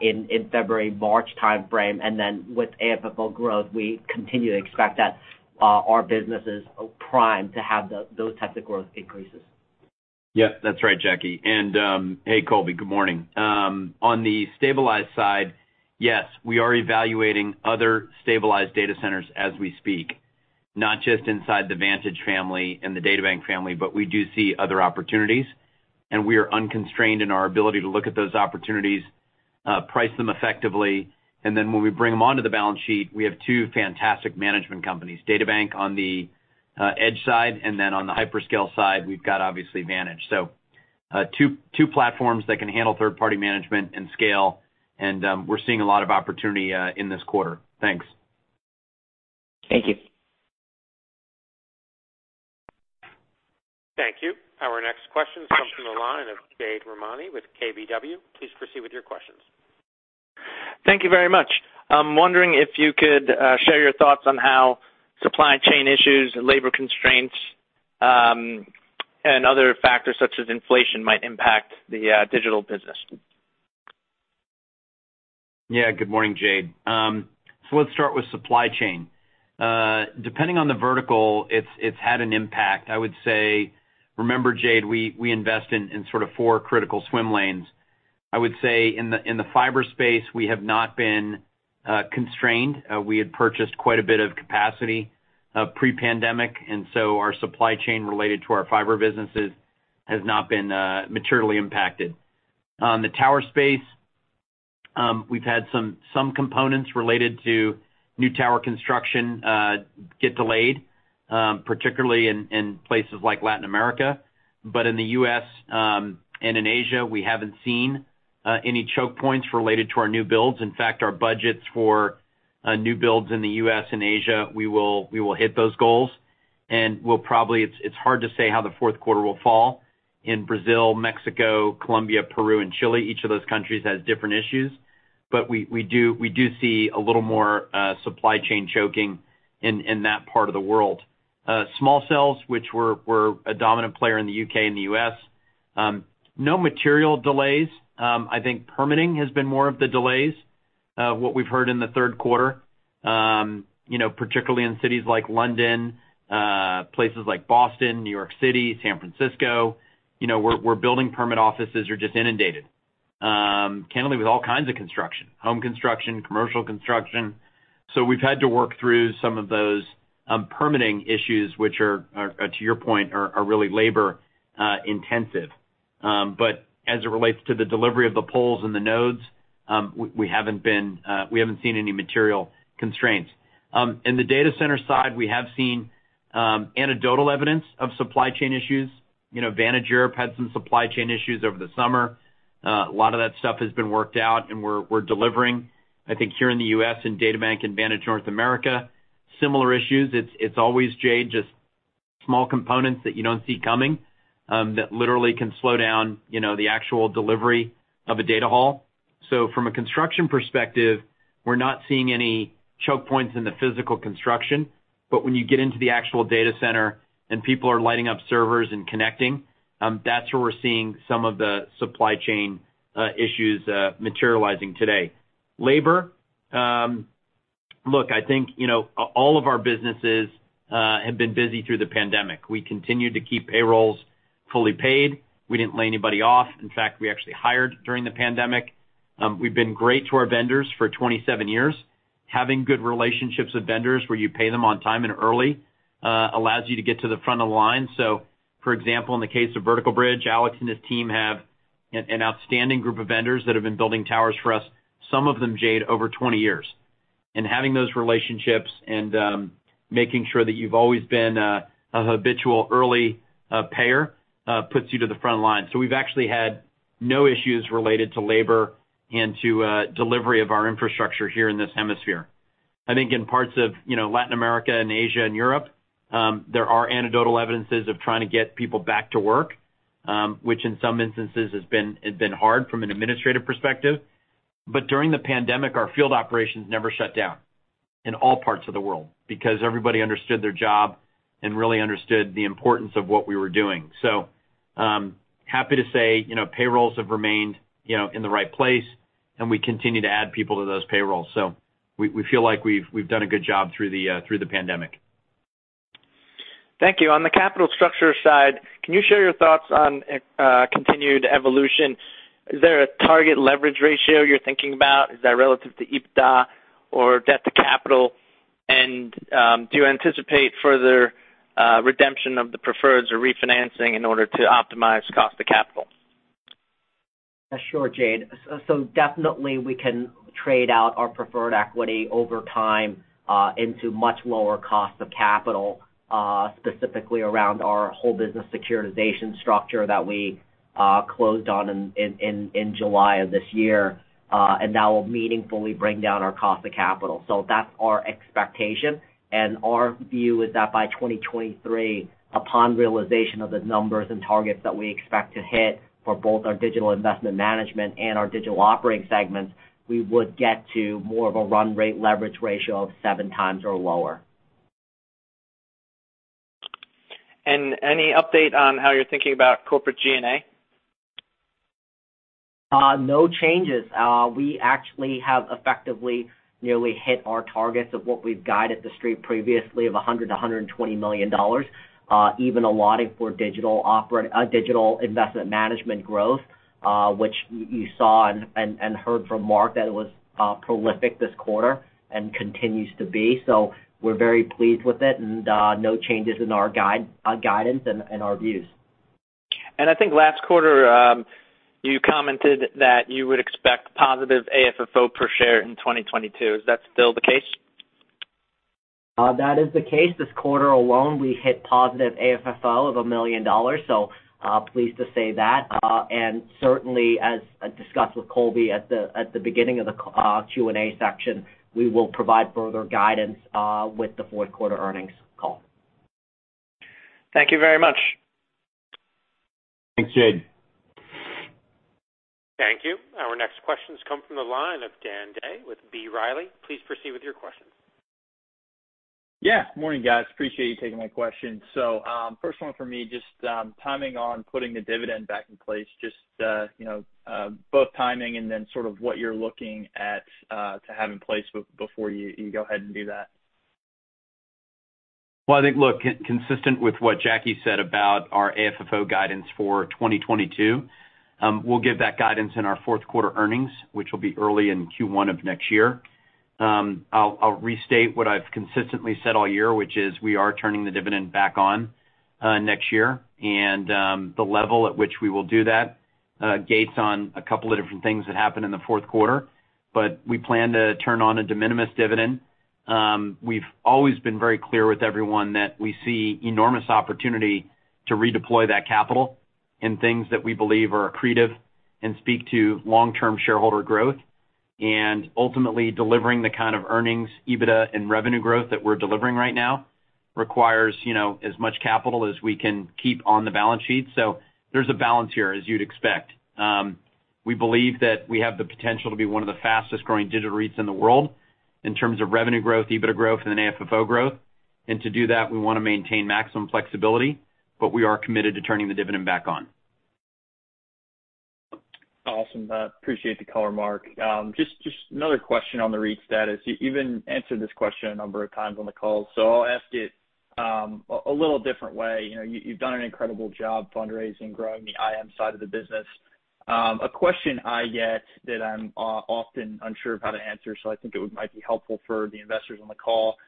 in February-March timeframe. With AFFO growth, we continue to expect that our businesses are primed to have those types of growth increases. Yeah, that's right, Jacky. Hey, Colby, good morning. On the stabilized side, yes, we are evaluating other stabilized data centers as we speak, not just inside the Vantage family and the DataBank family, but we do see other opportunities, and we are unconstrained in our ability to look at those opportunities, price them effectively. When we bring them onto the balance sheet, we have two fantastic management companies, DataBank on the edge side, and then on the hyperscale side, we've got obviously Vantage. Two platforms that can handle third-party management and scale, and we're seeing a lot of opportunity in this quarter. Thanks. Thank you. Thank you. Our next question comes from the line of Jade Rahmani with KBW. Please proceed with your questions. Thank you very much. I'm wondering if you could share your thoughts on how supply chain issues and labor constraints and other factors such as inflation might impact the digital business. Yeah. Good morning, Jade. So let's start with supply chain. Depending on the vertical, it's had an impact. I would say, remember, Jade, we invest in sort of four critical swim lanes. I would say in the fiber space, we have not been constrained. We had purchased quite a bit of capacity pre-pandemic, and so our supply chain related to our fiber businesses has not been materially impacted. The tower space, we've had some components related to new tower construction get delayed, particularly in places like Latin America. In the U.S. and in Asia, we haven't seen any choke points related to our new builds. In fact, our budgets for new builds in the U.S. and Asia, we will hit those goals. It's hard to say how the Q4 will fall in Brazil, Mexico, Colombia, Peru, and Chile. Each of those countries has different issues. We do see a little more supply chain choking in that part of the world. Small cells, which we're a dominant player in the U.K. and the U.S., no material delays. I think permitting has been more of the delays, what we've heard in the Q3, you know, particularly in cities like London, places like Boston, New York City, San Francisco, you know, where building permit offices are just inundated, candidly, with all kinds of construction, home construction, commercial construction. We've had to work through some of those permitting issues, which are, to your point, really labor intensive. As it relates to the delivery of the poles and the nodes, we haven't seen any material constraints. In the data center side, we have seen anecdotal evidence of supply chain issues. You know, Vantage Europe had some supply chain issues over the summer. A lot of that stuff has been worked out, and we're delivering. I think here in the U.S., in DataBank and Vantage North America, we had similar issues. It's always, Jade, just small components that you don't see coming that literally can slow down, you know, the actual delivery of a data hall. From a construction perspective, we're not seeing any choke points in the physical construction. When you get into the actual data center and people are lighting up servers and connecting, that's where we're seeing some of the supply chain issues materializing today. Labor, look, I think, you know, all of our businesses have been busy through the pandemic. We continued to keep payrolls fully paid. We didn't lay anybody off. In fact, we actually hired during the pandemic. We've been great to our vendors for 27 years. Having good relationships with vendors where you pay them on time and early allows you to get to the front of the line. For example, in the case of Vertical Bridge, Alex and his team have an outstanding group of vendors that have been building towers for us, some of them, Jade, over 20 years. Having those relationships and making sure that you've always been a habitual early payer puts you to the front line. We've actually had no issues related to labor and to delivery of our infrastructure here in this hemisphere. I think in parts of, you know, Latin America and Asia and Europe, there are anecdotal evidences of trying to get people back to work, which in some instances it's been hard from an administrative perspective. During the pandemic, our field operations never shut down in all parts of the world because everybody understood their job and really understood the importance of what we were doing. Happy to say, you know, payrolls have remained, you know, in the right place, and we continue to add people to those payrolls. We feel like we've done a good job through the pandemic. Thank you. On the capital structure side, can you share your thoughts on continued evolution? Is there a target leverage ratio you're thinking about? Is that relative to EBITDA or debt to capital? Do you anticipate further redemption of the preferreds or refinancing in order to optimize cost to capital? Sure, Jade. Definitely we can trade out our preferred equity over time into much lower cost of capital, specifically around our whole business securitization structure that we closed on in July of this year, and that will meaningfully bring down our cost of capital. That's our expectation. Our view is that by 2023, upon realization of the numbers and targets that we expect to hit for both our Digital Investment Management and our Digital Operating segments, we would get to more of a run rate leverage ratio of 7x or lower. Any update on how you're thinking about corporate G&A? No changes. We actually have effectively nearly hit our targets of what we've guided the street previously of $100-$120 million, even allotting for a digital investment management growth, which you saw and heard from Mark that it was prolific this quarter and continues to be. We're very pleased with it and no changes in our guidance and our views. I think last quarter, you commented that you would expect positive AFFO per share in 2022. Is that still the case? That is the case. This quarter alone, we hit positive AFFO of $1 million. Pleased to say that. Certainly as discussed with Colby at the beginning of the Q&A section, we will provide further guidance with the Q4 earnings call. Thank you very much. Thanks, Jade. Thank you. Our next question comes from the line of Dan Day with B. Riley. Please proceed with your question. Yeah. Morning, guys. Appreciate you taking my question. First one for me, just timing on putting the dividend back in place, just, you know, both timing and then sort of what you're looking at to have in place before you go ahead and do that. I think, look, consistent with what Jacky said about our AFFO guidance for 2022, we'll give that guidance in our Q4 earnings, which will be early in Q1 of next year. I'll restate what I've consistently said all year, which is we are turning the dividend back on next year. The level at which we will do that hinges on a couple of different things that happen in the Q4. We plan to turn on a de minimis dividend. We've always been very clear with everyone that we see enormous opportunity to redeploy that capital in things that we believe are accretive and speak to long-term shareholder growth. Ultimately, delivering the kind of earnings, EBITDA, and revenue growth that we're delivering right now requires, you know, as much capital as we can keep on the balance sheet. So there's a balance here, as you'd expect. We believe that we have the potential to be one of the fastest-growing digital REITs in the world in terms of revenue growth, EBITDA growth, and then AFFO growth. To do that, we wanna maintain maximum flexibility, but we are committed to turning the dividend back on. Awesome. Appreciate the color, Marc. Just another question on the REIT status. You even answered this question a number of times on the call, so I'll ask it a little different way. You know, you've done an incredible job fundraising, growing the IM side of the business. A question I get that I'm often unsure of how to answer, so I think it might be helpful for the investors on the call. Is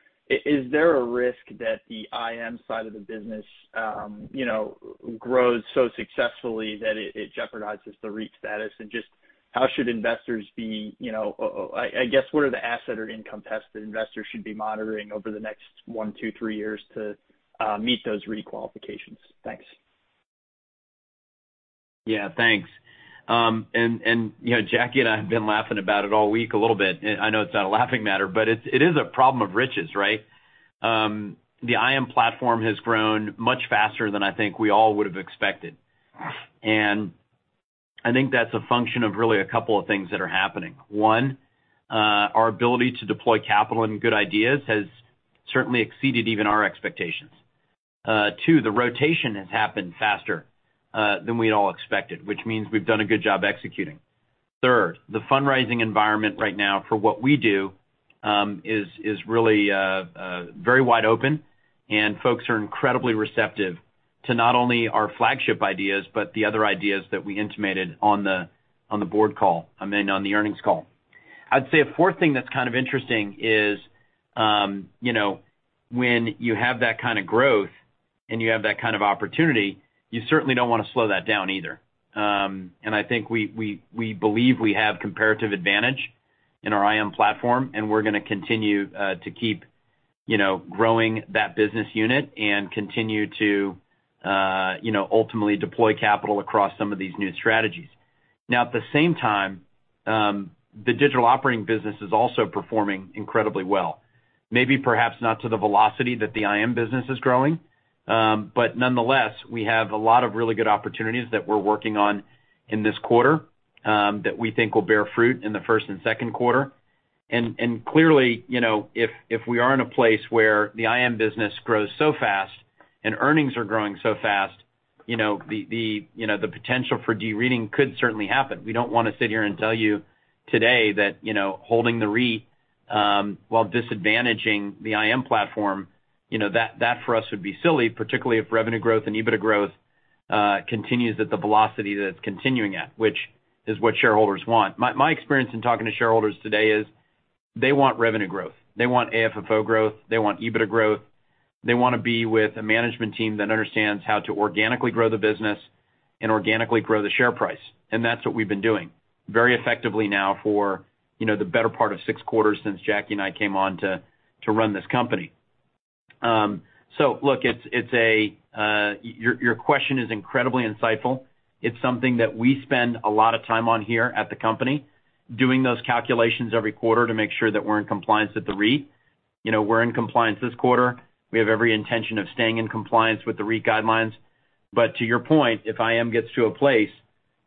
there a risk that the IM side of the business, you know, grows so successfully that it jeopardizes the REIT status? Just how should investors be, you know, I guess, what are the asset or income tests that investors should be monitoring over the next one, two, three years to meet those REIT qualifications? Thanks. Yeah. Thanks. You know, Jacky and I have been laughing about it all week a little bit. I know it's not a laughing matter, but it is a problem of riches, right? The IM platform has grown much faster than I think we all would have expected. I think that's a function of really a couple of things that are happening. One, our ability to deploy capital and good ideas has certainly exceeded even our expectations. Two, the rotation has happened faster than we'd all expected, which means we've done a good job executing. Third, the fundraising environment right now for what we do is really very wide open, and folks are incredibly receptive to not only our flagship ideas, but the other ideas that we intimated on the board call, I mean, on the earnings call. I'd say a fourth thing that's kind of interesting is, you know, when you have that kind of growth and you have that kind of opportunity, you certainly don't wanna slow that down either. I think we believe we have comparative advantage in our IM platform, and we're gonna continue to keep, you know, growing that business unit and continue to, you know, ultimately deploy capital across some of these new strategies. Now, at the same time, the digital operating business is also performing incredibly well. Maybe perhaps not to the velocity that the IM business is growing, but nonetheless, we have a lot of really good opportunities that we're working on in this quarter, that we think will bear fruit in the first and Q2. Clearly, you know, if we are in a place where the IM business grows so fast and earnings are growing so fast, you know, the potential for de-REITing could certainly happen. We don't wanna sit here and tell you today that, you know, holding the REIT, while disadvantaging the IM platform, you know, that for us would be silly, particularly if revenue growth and EBITDA growth continues at the velocity that it's continuing at, which is what shareholders want. My experience in talking to shareholders today is they want revenue growth. They want AFFO growth. They want EBITDA growth. They wanna be with a management team that understands how to organically grow the business and organically grow the share price. That's what we've been doing very effectively now for, you know, the better part of six quarters since Jacky and I came on to run this company. Your question is incredibly insightful. It's something that we spend a lot of time on here at the company, doing those calculations every quarter to make sure that we're in compliance with the REIT. You know, we're in compliance this quarter. We have every intention of staying in compliance with the REIT guidelines. To your point, if IM gets to a place,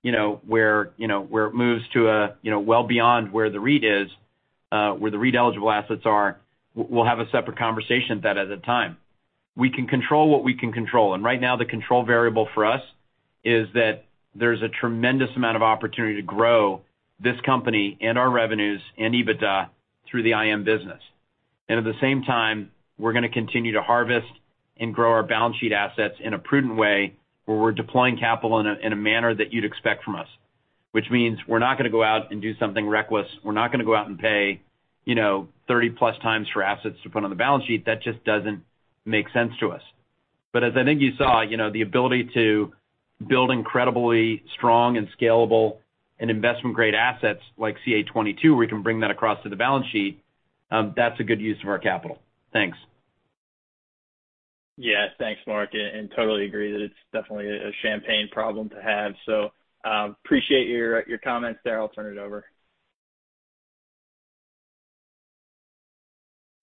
you know, where, you know, where it moves to, you know, well beyond where the REIT is, where the REIT-eligible assets are, we'll have a separate conversation that at the time. We can control what we can control, and right now the control variable for us is that there's a tremendous amount of opportunity to grow this company and our revenues and EBITDA through the IM business. At the same time, we're gonna continue to harvest and grow our balance sheet assets in a prudent way where we're deploying capital in a manner that you'd expect from us. Which means we're not gonna go out and do something reckless. We're not gonna go out and pay +30x for assets to put on the balance sheet. That just doesn't make sense to us. As I think you saw, you know, the ability to build incredibly strong and scalable and investment-grade assets like CA22, where we can bring that across to the balance sheet, that's a good use of our capital. Thanks. Yeah. Thanks, Marc, and totally agree that it's definitely a champagne problem to have. Appreciate your comments there. I'll turn it over.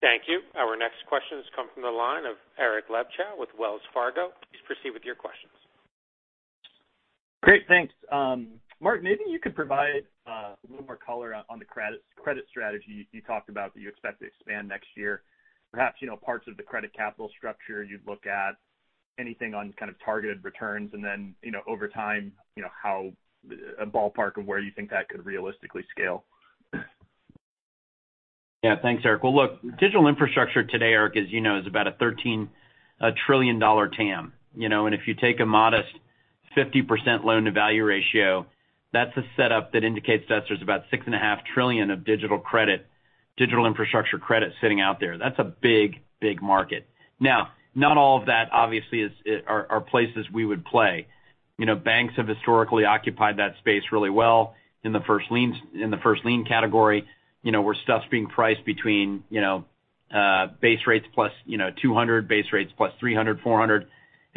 Thank you. Our next question has come from the line of Eric Luebchow with Wells Fargo. Please proceed with your questions. Great. Thanks. Marc, maybe you could provide a little more color on the credit strategy you talked about that you expect to expand next year. Perhaps, you know, parts of the credit capital structure you'd look at, anything on kind of targeted returns, and then, you know, over time, you know, how a ballpark of where you think that could realistically scale. Yeah. Thanks, Eric. Well, look, digital infrastructure today, Eric, as you know, is about a $13 trillion TAM. You know, and if you take a modest 50% loan-to-value ratio, that's a setup that indicates that there's about $6.5 trillion of digital infrastructure credit sitting out there. That's a big market. Now, not all of that obviously are places we would play. You know, banks have historically occupied that space really well in the first lien category, you know, where stuff's being priced between base rates plus 200, base rates plus 300, 400.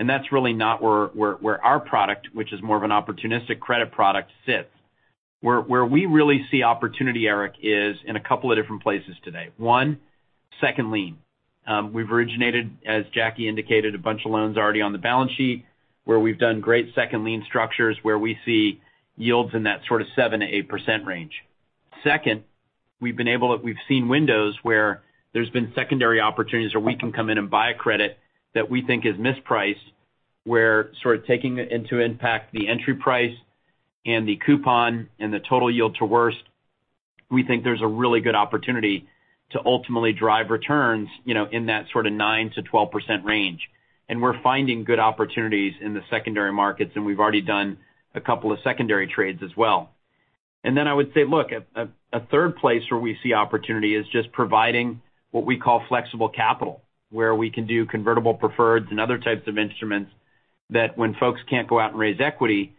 That's really not where our product, which is more of an opportunistic credit product, sits. Where we really see opportunity, Eric, is in a couple of different places today. One, second lien. We've originated, as Jacky indicated, a bunch of loans already on the balance sheet, where we've done great second lien structures where we see yields in that sort of 7%-8% range. Second, we've seen windows where there's been secondary opportunities where we can come in and buy a credit that we think is mispriced, where sort of taking into impact the entry price and the coupon and the total yield to worst, we think there's a really good opportunity to ultimately drive returns, you know, in that sort of 9%-12% range. We're finding good opportunities in the secondary markets, and we've already done a couple of secondary trades as well. I would say, look, a third place where we see opportunity is just providing what we call flexible capital, where we can do convertible preferreds and other types of instruments that when folks can't go out and raise equity,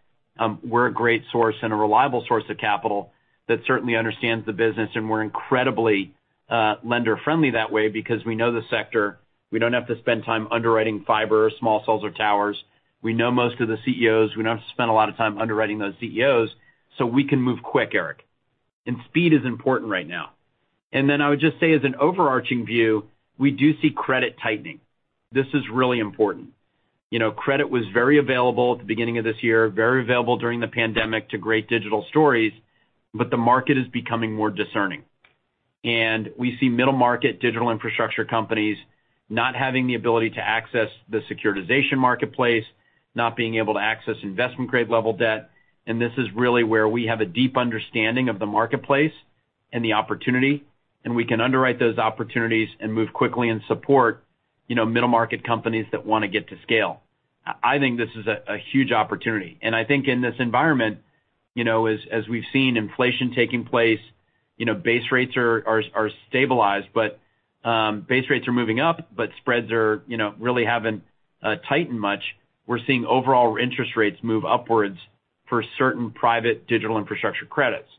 we're a great source and a reliable source of capital that certainly understands the business. We're incredibly lender-friendly that way because we know the sector. We don't have to spend time underwriting fiber or small cells or towers. We know most of the Chief Executive Officers. We don't have to spend a lot of time underwriting those Chief Executive Officers, so we can move quick, Eric. Speed is important right now. I would just say as an overarching view, we do see credit tightening. This is really important. You know, credit was very available at the beginning of this year, very available during the pandemic to great digital stories, but the market is becoming more discerning. We see middle-market digital infrastructure companies not having the ability to access the securitization marketplace, not being able to access investment-grade level debt, and this is really where we have a deep understanding of the marketplace and the opportunity, and we can underwrite those opportunities and move quickly and support, you know, middle-market companies that wanna get to scale. I think this is a huge opportunity. I think in this environment. You know, as we've seen inflation taking place, you know, base rates are moving up, but spreads are, you know, really haven't tightened much. We're seeing overall interest rates move upwards for certain private digital infrastructure credits.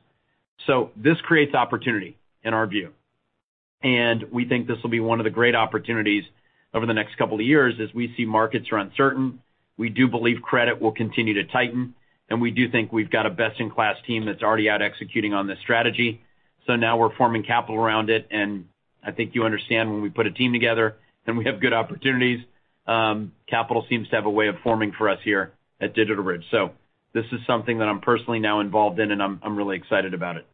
This creates opportunity in our view, and we think this will be one of the great opportunities over the next couple of years as we see markets are uncertain. We do believe credit will continue to tighten, and we do think we've got a best-in-class team that's already out executing on this strategy. Now we're forming capital around it, and I think you understand, when we put a team together, then we have good opportunities. Capital seems to have a way of forming for us here at DigitalBridge. This is something that I'm personally now involved in, and I'm really excited about it.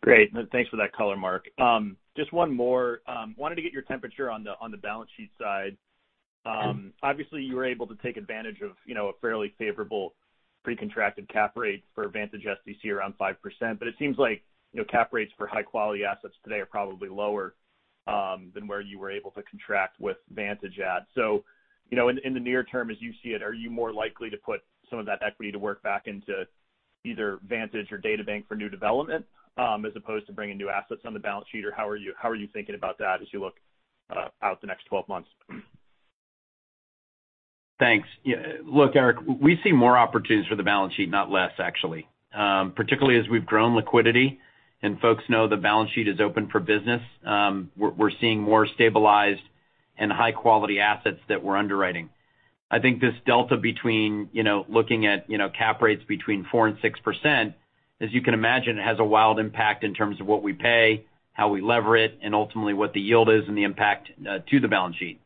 Great. Thanks for that color, Marc. Just one more. Wanted to get your temperature on the balance sheet side. Obviously, you were able to take advantage of, you know, a fairly favorable pre-contracted cap rate for Vantage SDC around 5%. It seems like, you know, cap rates for high-quality assets today are probably lower than where you were able to contract with Vantage at. You know, in the near term, as you see it, are you more likely to put some of that equity to work back into either Vantage or DataBank for new development, as opposed to bringing new assets on the balance sheet? Or how are you thinking about that as you look out the next 12 months? Thanks. Yeah, look, Eric, we see more opportunities for the balance sheet, not less actually. Particularly as we've grown liquidity and folks know the balance sheet is open for business, we're seeing more stabilized and high-quality assets that we're underwriting. I think this delta between, you know, looking at, you know, cap rates between 4%-6%, as you can imagine, has a wild impact in terms of what we pay, how we lever it, and ultimately what the yield is and the impact to the balance sheet.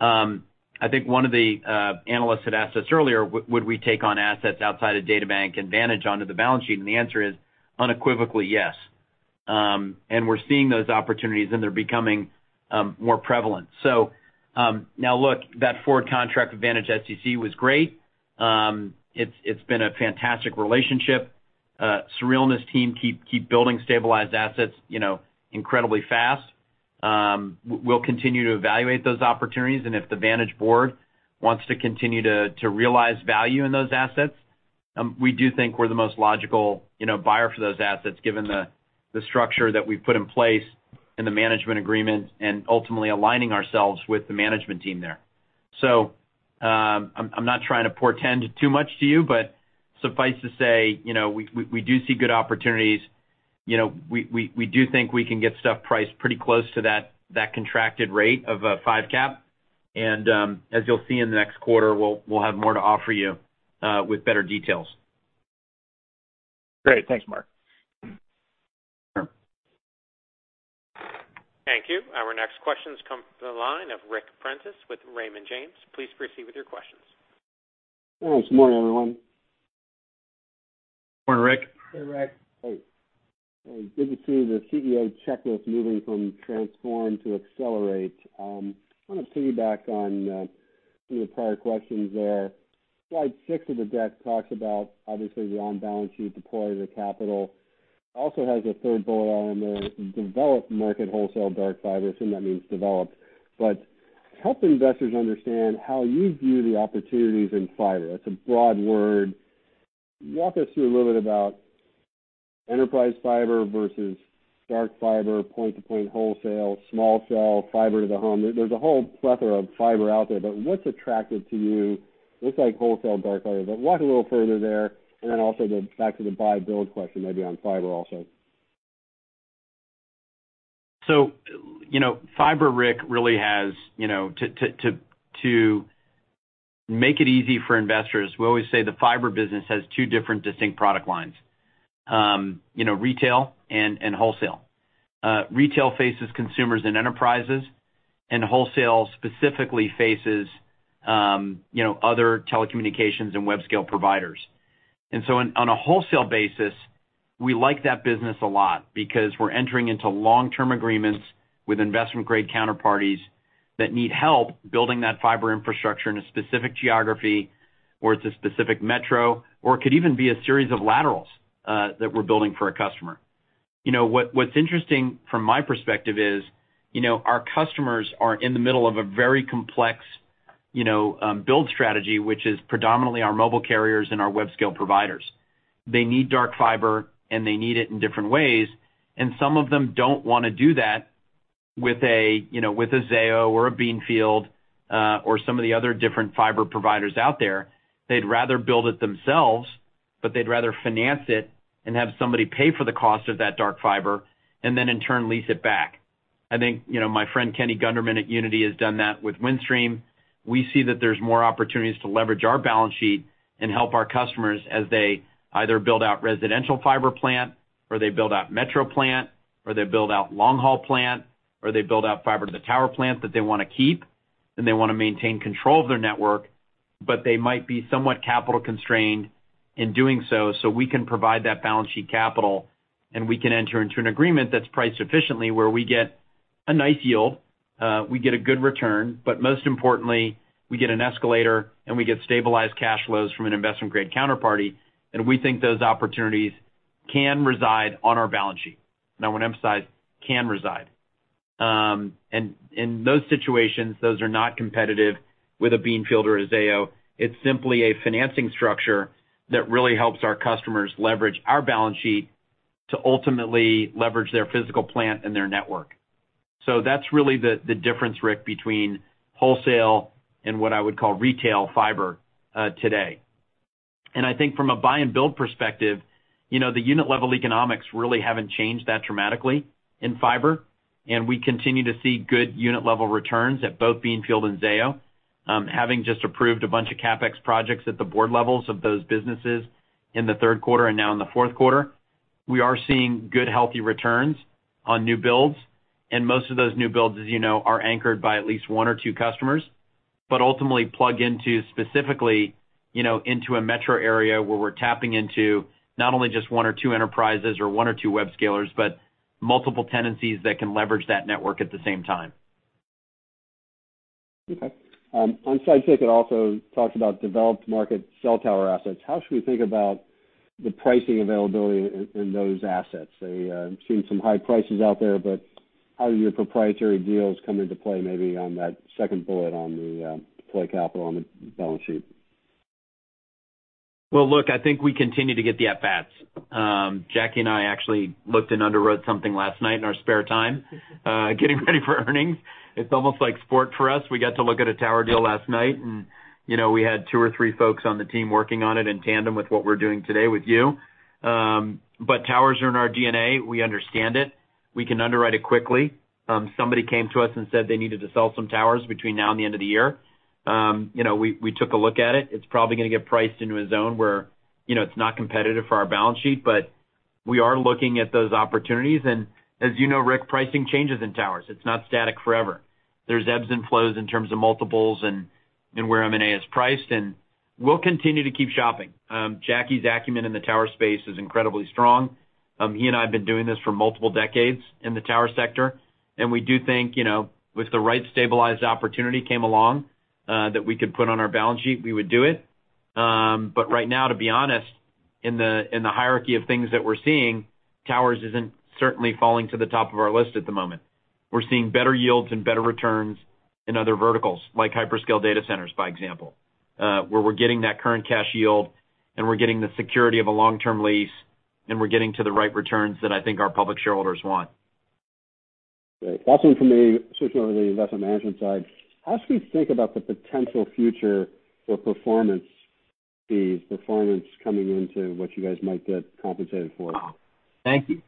I think one of the analysts had asked us earlier, would we take on assets outside of DataBank and Vantage onto the balance sheet, and the answer is unequivocally yes. We're seeing those opportunities, and they're becoming more prevalent. Now look, that forward contract with Vantage SDC was great. It's been a fantastic relationship. Sureel Choksi and his team keep building stabilized assets, you know, incredibly fast. We'll continue to evaluate those opportunities, and if the Vantage board wants to continue to realize value in those assets, we do think we're the most logical, you know, buyer for those assets, given the structure that we've put in place in the management agreement and ultimately aligning ourselves with the management team there. I'm not trying to portend too much to you, but suffice to say, you know, we do see good opportunities. You know, we do think we can get stuff priced pretty close to that contracted rate of five cap and, as you'll see in the next quarter, we'll have more to offer you with better details. Great. Thanks, Marc. Sure. Thank you. Our next questions come from the line of Ric Prentiss with Raymond James. Please proceed with your questions. Thanks. Good morning, everyone. Morning, Ric. Hey, Ric. Hey. Good to see the Chief Executive Officer checklist moving from transform to accelerate. Wanna piggyback on some of the prior questions there. Slide six of the deck talks about obviously the on-balance sheet deploy the capital. Also has a third bullet item there, develop market wholesale dark fiber. Assume that means develop. Help investors understand how you view the opportunities in fiber. That's a broad word. Walk us through a little bit about enterprise fiber versus dark fiber, point-to-point wholesale, small cell, fiber to the home. There's a whole plethora of fiber out there, but what's attractive to you? Looks like wholesale dark fiber, but walk a little further there and then also the back to the buy build question maybe on fiber also. Fiber, Ric, really has to make it easy for investors. We always say the fiber business has two different distinct product lines. Retail and wholesale. Retail faces consumers and enterprises, and wholesale specifically faces other telecommunications and web scale providers. On a wholesale basis, we like that business a lot because we're entering into long-term agreements with investment-grade counterparties that need help building that fiber infrastructure in a specific geography or it's a specific metro, or it could even be a series of laterals that we're building for a customer. What's interesting from my perspective is our customers are in the middle of a very complex build strategy, which is predominantly our mobile carriers and our web scale providers. They need dark fiber, and they need it in different ways, and some of them don't wanna do that with a, you know, with a Zayo or a Beanfield, or some of the other different fiber providers out there. They'd rather build it themselves, but they'd rather finance it and have somebody pay for the cost of that dark fiber and then in turn lease it back. I think, you know, my friend Kenny Gunderman at Uniti has done that with Windstream. We see that there's more opportunities to leverage our balance sheet and help our customers as they either build out residential fiber plant or they build out metro plant or they build out long-haul plant or they build out fiber to the tower plant that they wanna keep and they wanna maintain control of their network, but they might be somewhat capital constrained in doing so. We can provide that balance sheet capital, and we can enter into an agreement that's priced sufficiently where we get a nice yield, we get a good return, but most importantly, we get an escalator and we get stabilized cash flows from an investment grade counterparty, and we think those opportunities can reside on our balance sheet. I wanna emphasize, can reside. In those situations, those are not competitive with a Beanfield or a Zayo. It's simply a financing structure that really helps our customers leverage our balance sheet to ultimately leverage their physical plant and their network. That's really the difference, Rick, between wholesale and what I would call retail fiber, today. I think from a buy and build perspective, you know, the unit level economics really haven't changed that dramatically in fiber, and we continue to see good unit level returns at both Beanfield and Zayo. Having just approved a bunch of CapEx projects at the board levels of those businesses in the Q3 and now in the Q4, we are seeing good, healthy returns on new builds. Most of those new builds, as you know, are anchored by at least one or two customers, but ultimately plug into specifically, you know, into a metro area where we're tapping into not only just one or two enterprises or one or two web scalers, but multiple tenancies that can leverage that network at the same time. Okay. On-site take, it also talks about developed-market cell tower assets. How should we think about the pricing availability in those assets? I'm seeing some high prices out there, but how do your proprietary deals come into play maybe on that second bullet on the deploy capital on the balance sheet? Well, look, I think we continue to get the at-bats. Jacky and I actually looked and underwrote something last night in our spare time, getting ready for earnings. It's almost like sport for us. We got to look at a tower deal last night and, you know, we had two or three folks on the team working on it in tandem with what we're doing today with you. Towers are in our DNA. We understand it. We can underwrite it quickly. Somebody came to us and said they needed to sell some towers between now and the end of the year. You know, we took a look at it. It's probably gonna get priced into a zone where, you know, it's not competitive for our balance sheet. We are looking at those opportunities, and as you know, Ric, pricing changes in towers. It's not static forever. There's ebbs and flows in terms of multiples and where M&A is priced, and we'll continue to keep shopping. Jacky's acumen in the tower space is incredibly strong. He and I have been doing this for multiple decades in the tower sector, and we do think, you know, if the right stabilized opportunity came along, that we could put on our balance sheet, we would do it. But right now, to be honest, in the hierarchy of things that we're seeing, towers isn't certainly falling to the top of our list at the moment. We're seeing better yields and better returns in other verticals, like hyperscale data centers, by example, where we're getting that current cash yield, and we're getting the security of a long-term lease, and we're getting to the right returns that I think our public shareholders want. Great. Last one from me, switching over to the investment management side. How should we think about the potential future for performance fees, performance coming into what you guys might get compensated for? Thank you.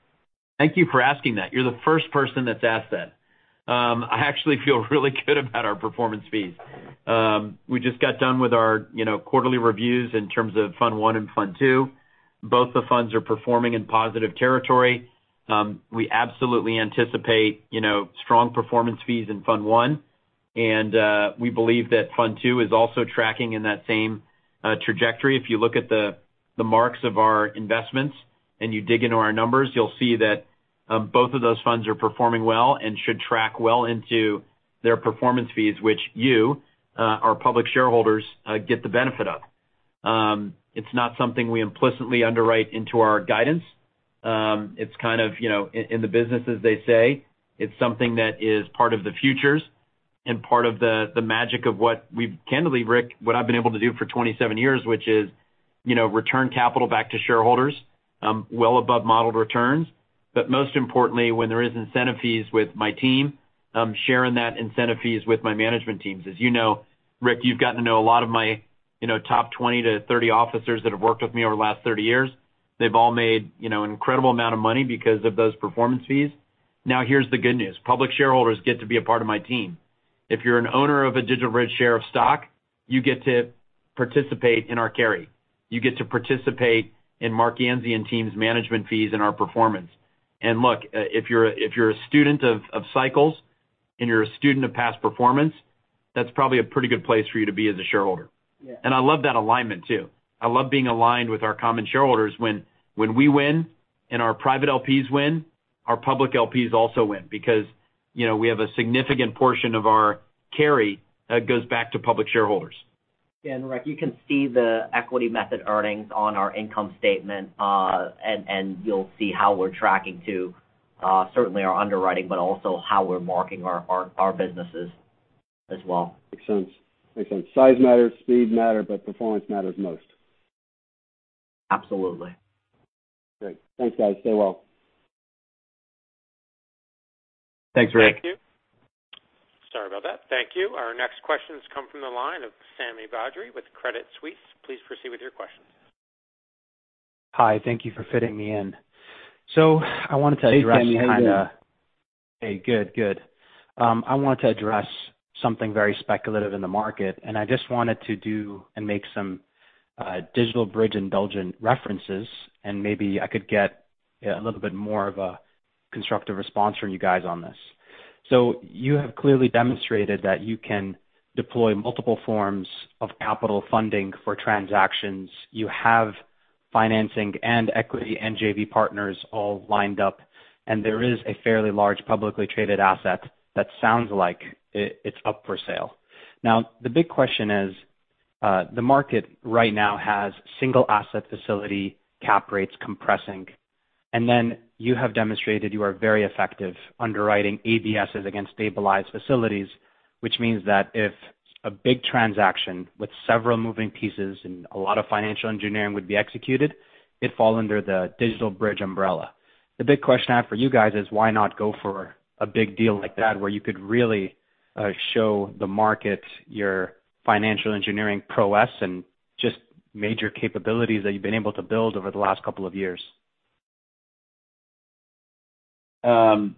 Thank you for asking that. You're the first person that's asked that. I actually feel really good about our performance fees. We just got done with our, you know, quarterly reviews in terms of fund one and fund two. Both the funds are performing in positive territory. We absolutely anticipate, you know, strong performance fees in fund one, and we believe that fund two is also tracking in that same trajectory. If you look at the marks of our investments and you dig into our numbers, you'll see that both of those funds are performing well and should track well into their performance fees, which you, our public shareholders, get the benefit of. It's not something we implicitly underwrite into our guidance. It's kind of, you know, in the business, as they say, it's something that is part of the futures and part of the magic candidly, Ric, what I've been able to do for 27 years, which is, you know, return capital back to shareholders, well above modeled returns. Most importantly, when there is incentive fees with my team, I'm sharing that incentive fees with my management teams. As you know, Ric, you've gotten to know a lot of my, you know, top 20 to 30 officers that have worked with me over the last 30 years. They've all made, you know, an incredible amount of money because of those performance fees. Now, here's the good news. Public shareholders get to be a part of my team. If you're an owner of a DigitalBridge share of stock, you get to participate in our carry. You get to participate in Marc Ganzi and team's management fees and our performance. Look, if you're a student of cycles and you're a student of past performance, that's probably a pretty good place for you to be as a shareholder. Yeah. I love that alignment too. I love being aligned with our common shareholders. When we win and our private LPs win, our public LPs also win because, you know, we have a significant portion of our carry that goes back to public shareholders. Rick, you can see the equity method earnings on our income statement, and you'll see how we're tracking to certainly our underwriting, but also how we're marking our businesses as well. Makes sense. Size matters, speed matters, but performance matters most. Absolutely. Great. Thanks, guys. Stay well. Thanks, Ric. Thank you. Sorry about that. Thank you. Our next questions come from the line of Sami Badri with Credit Suisse. Please proceed with your questions. Hi. Thank you for fitting me in. I wanted to address kinda. Hey, Sami. How you doing? Hey, good. I wanted to address something very speculative in the market, and I just wanted to do and make some DigitalBridge indulgent references, and maybe I could get a little bit more of a constructive response from you guys on this. You have clearly demonstrated that you can deploy multiple forms of capital funding for transactions. You have financing and equity and JV partners all lined up, and there is a fairly large publicly traded asset that sounds like it's up for sale. Now, the big question is. The market right now has single asset facility cap rates compressing. Then you have demonstrated you are very effective underwriting ABSs against stabilized facilities, which means that if a big transaction with several moving pieces and a lot of financial engineering would be executed, it'd fall under the DigitalBridge umbrella. The big question I have for you guys is why not go for a big deal like that where you could really show the market your financial engineering prowess and just major capabilities that you've been able to build over the last couple of years? Sami,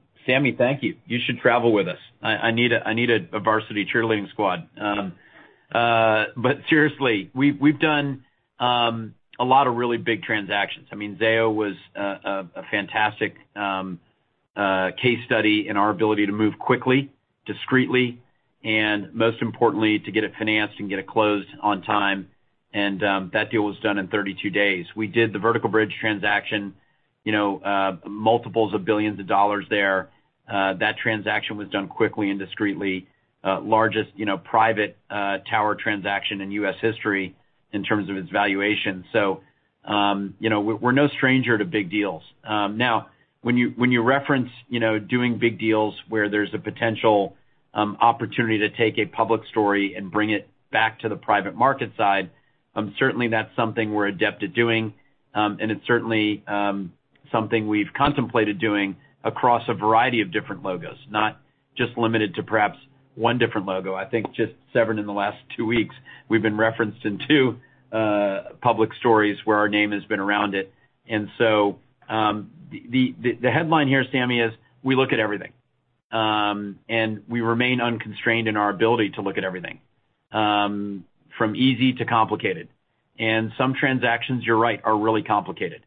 thank you. You should travel with us. I need a varsity cheerleading squad. But seriously, we've done a lot of really big transactions. I mean, Zayo was a fantastic case study in our ability to move quickly, discreetly, and most importantly, to get it financed and get it closed on time. That deal was done in 32 days. We did the Vertical Bridge transaction, you know, multiples of billions of dollars there. That transaction was done quickly and discreetly. Largest, you know, private tower transaction in U.S. history in terms of its valuation. You know, we're no stranger to big deals. Now when you reference, you know, doing big deals where there's a potential opportunity to take a public story and bring it back to the private market side, certainly that's something we're adept at doing. It's certainly something we've contemplated doing across a variety of different logos, not just limited to perhaps one different logo. I think just Severin in the last two weeks, we've been referenced in two public stories where our name has been around it. The headline here, Sammy, is we look at everything. We remain unconstrained in our ability to look at everything, from easy to complicated. Some transactions, you're right, are really complicated.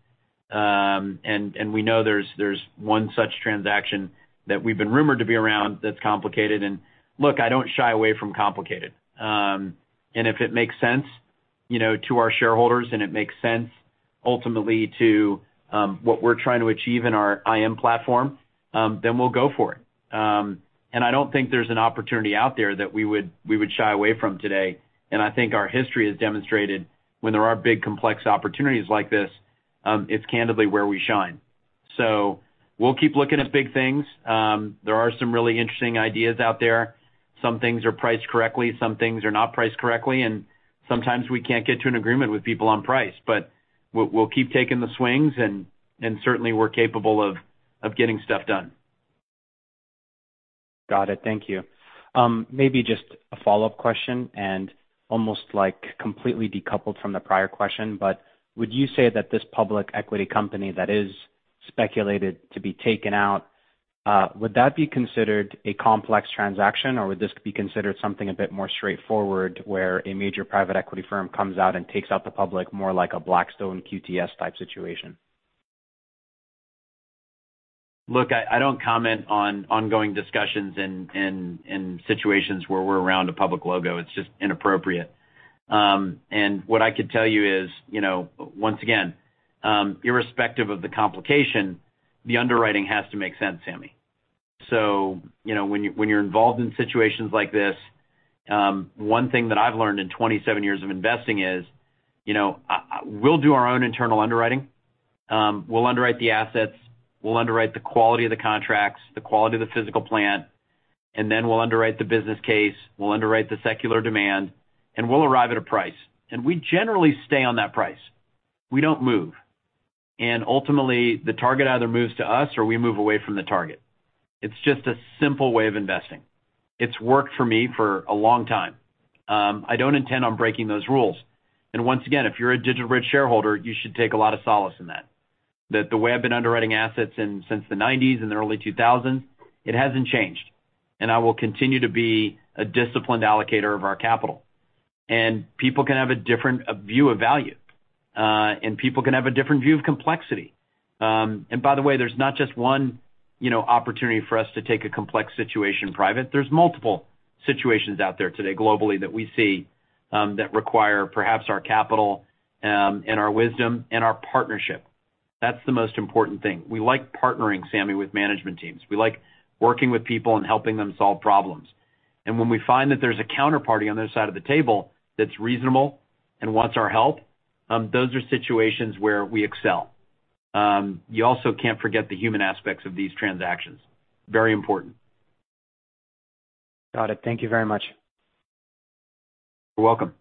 We know there's one such transaction that we've been rumored to be around that's complicated. Look, I don't shy away from complicated. If it makes sense, you know, to our shareholders and it makes sense ultimately to what we're trying to achieve in our IM platform, then we'll go for it. I don't think there's an opportunity out there that we would shy away from today. I think our history has demonstrated when there are big complex opportunities like this, it's candidly where we shine. We'll keep looking at big things. There are some really interesting ideas out there. Some things are priced correctly, some things are not priced correctly, and sometimes we can't get to an agreement with people on price, but we'll keep taking the swings and certainly we're capable of getting stuff done. Got it. Thank you. Maybe just a follow-up question and almost like completely decoupled from the prior question, but would you say that this public equity company that is speculated to be taken out, would that be considered a complex transaction, or would this be considered something a bit more straightforward where a major private equity firm comes out and takes out the public more like a Blackstone QTS type situation? Look, I don't comment on ongoing discussions and situations where we're around a public M&A. It's just inappropriate. What I could tell you is, you know, once again, irrespective of the competition, the underwriting has to make sense, Sami. You know, when you're involved in situations like this, one thing that I've learned in 27 years of investing is, you know, we'll do our own internal underwriting. We'll underwrite the assets, we'll underwrite the quality of the contracts, the quality of the physical plant, and then we'll underwrite the business case, we'll underwrite the secular demand, and we'll arrive at a price. We generally stay on that price. We don't move. Ultimately, the target either moves to us or we move away from the target. It's just a simple way of investing. It's worked for me for a long time. I don't intend on breaking those rules. Once again, if you're a DigitalBridge shareholder, you should take a lot of solace in that. That the way I've been underwriting assets since the 1990s and the early 2000s, it hasn't changed. I will continue to be a disciplined allocator of our capital. People can have a different view of value. People can have a different view of complexity. By the way, there's not just one, you know, opportunity for us to take a complex situation private. There's multiple situations out there today globally that we see that require perhaps our capital and our wisdom and our partnership. That's the most important thing. We like partnering, Sammy, with management teams. We like working with people and helping them solve problems. When we find that there's a counterparty on their side of the table that's reasonable and wants our help, those are situations where we excel. You also can't forget the human aspects of these transactions. Very important. Got it. Thank you very much. You're welcome.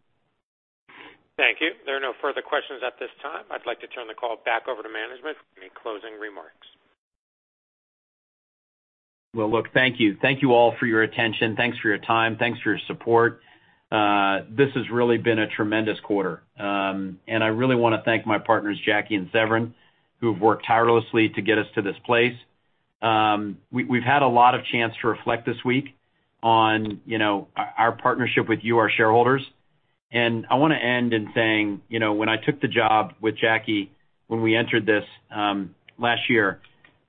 Thank you. There are no further questions at this time. I'd like to turn the call back over to management for any closing remarks. Well, look, thank you. Thank you all for your attention. Thanks for your time. Thanks for your support. This has really been a tremendous quarter. I really wanna thank my partners, Jacky and Severin, who have worked tirelessly to get us to this place. We've had a lot of chance to reflect this week on, you know, our partnership with you, our shareholders. I wanna end in saying, you know, when I took the job with Jacky, when we entered this last year,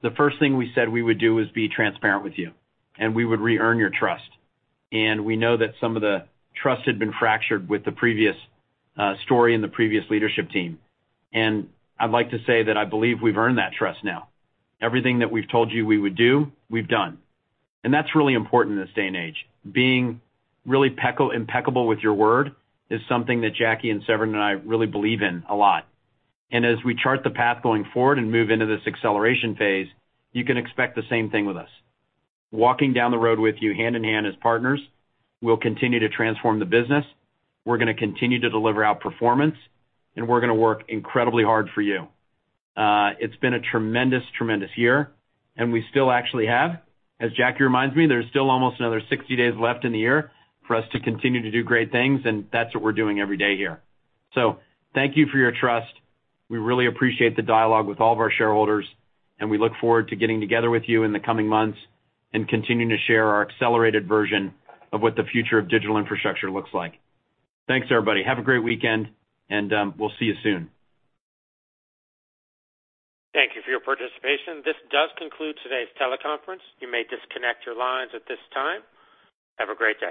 the first thing we said we would do is be transparent with you, and we would re-earn your trust. We know that some of the trust had been fractured with the previous story and the previous leadership team. I'd like to say that I believe we've earned that trust now. Everything that we've told you we would do, we've done. That's really important in this day and age. Being really impeccable with your word is something that Jacky and Severin and I really believe in a lot. As we chart the path going forward and move into this acceleration phase, you can expect the same thing with us. Walking down the road with you hand in hand as partners, we'll continue to transform the business, we're gonna continue to deliver outperformance, and we're gonna work incredibly hard for you. It's been a tremendous year, and we still actually have, as Jacky reminds me, there's still almost another 60 days left in the year for us to continue to do great things, and that's what we're doing every day here. Thank you for your trust. We really appreciate the dialogue with all of our shareholders, and we look forward to getting together with you in the coming months and continuing to share our accelerated version of what the future of digital infrastructure looks like. Thanks, everybody. Have a great weekend and we'll see you soon. Thank you for your participation. This does conclude today's teleconference. You may disconnect your lines at this time. Have a great day.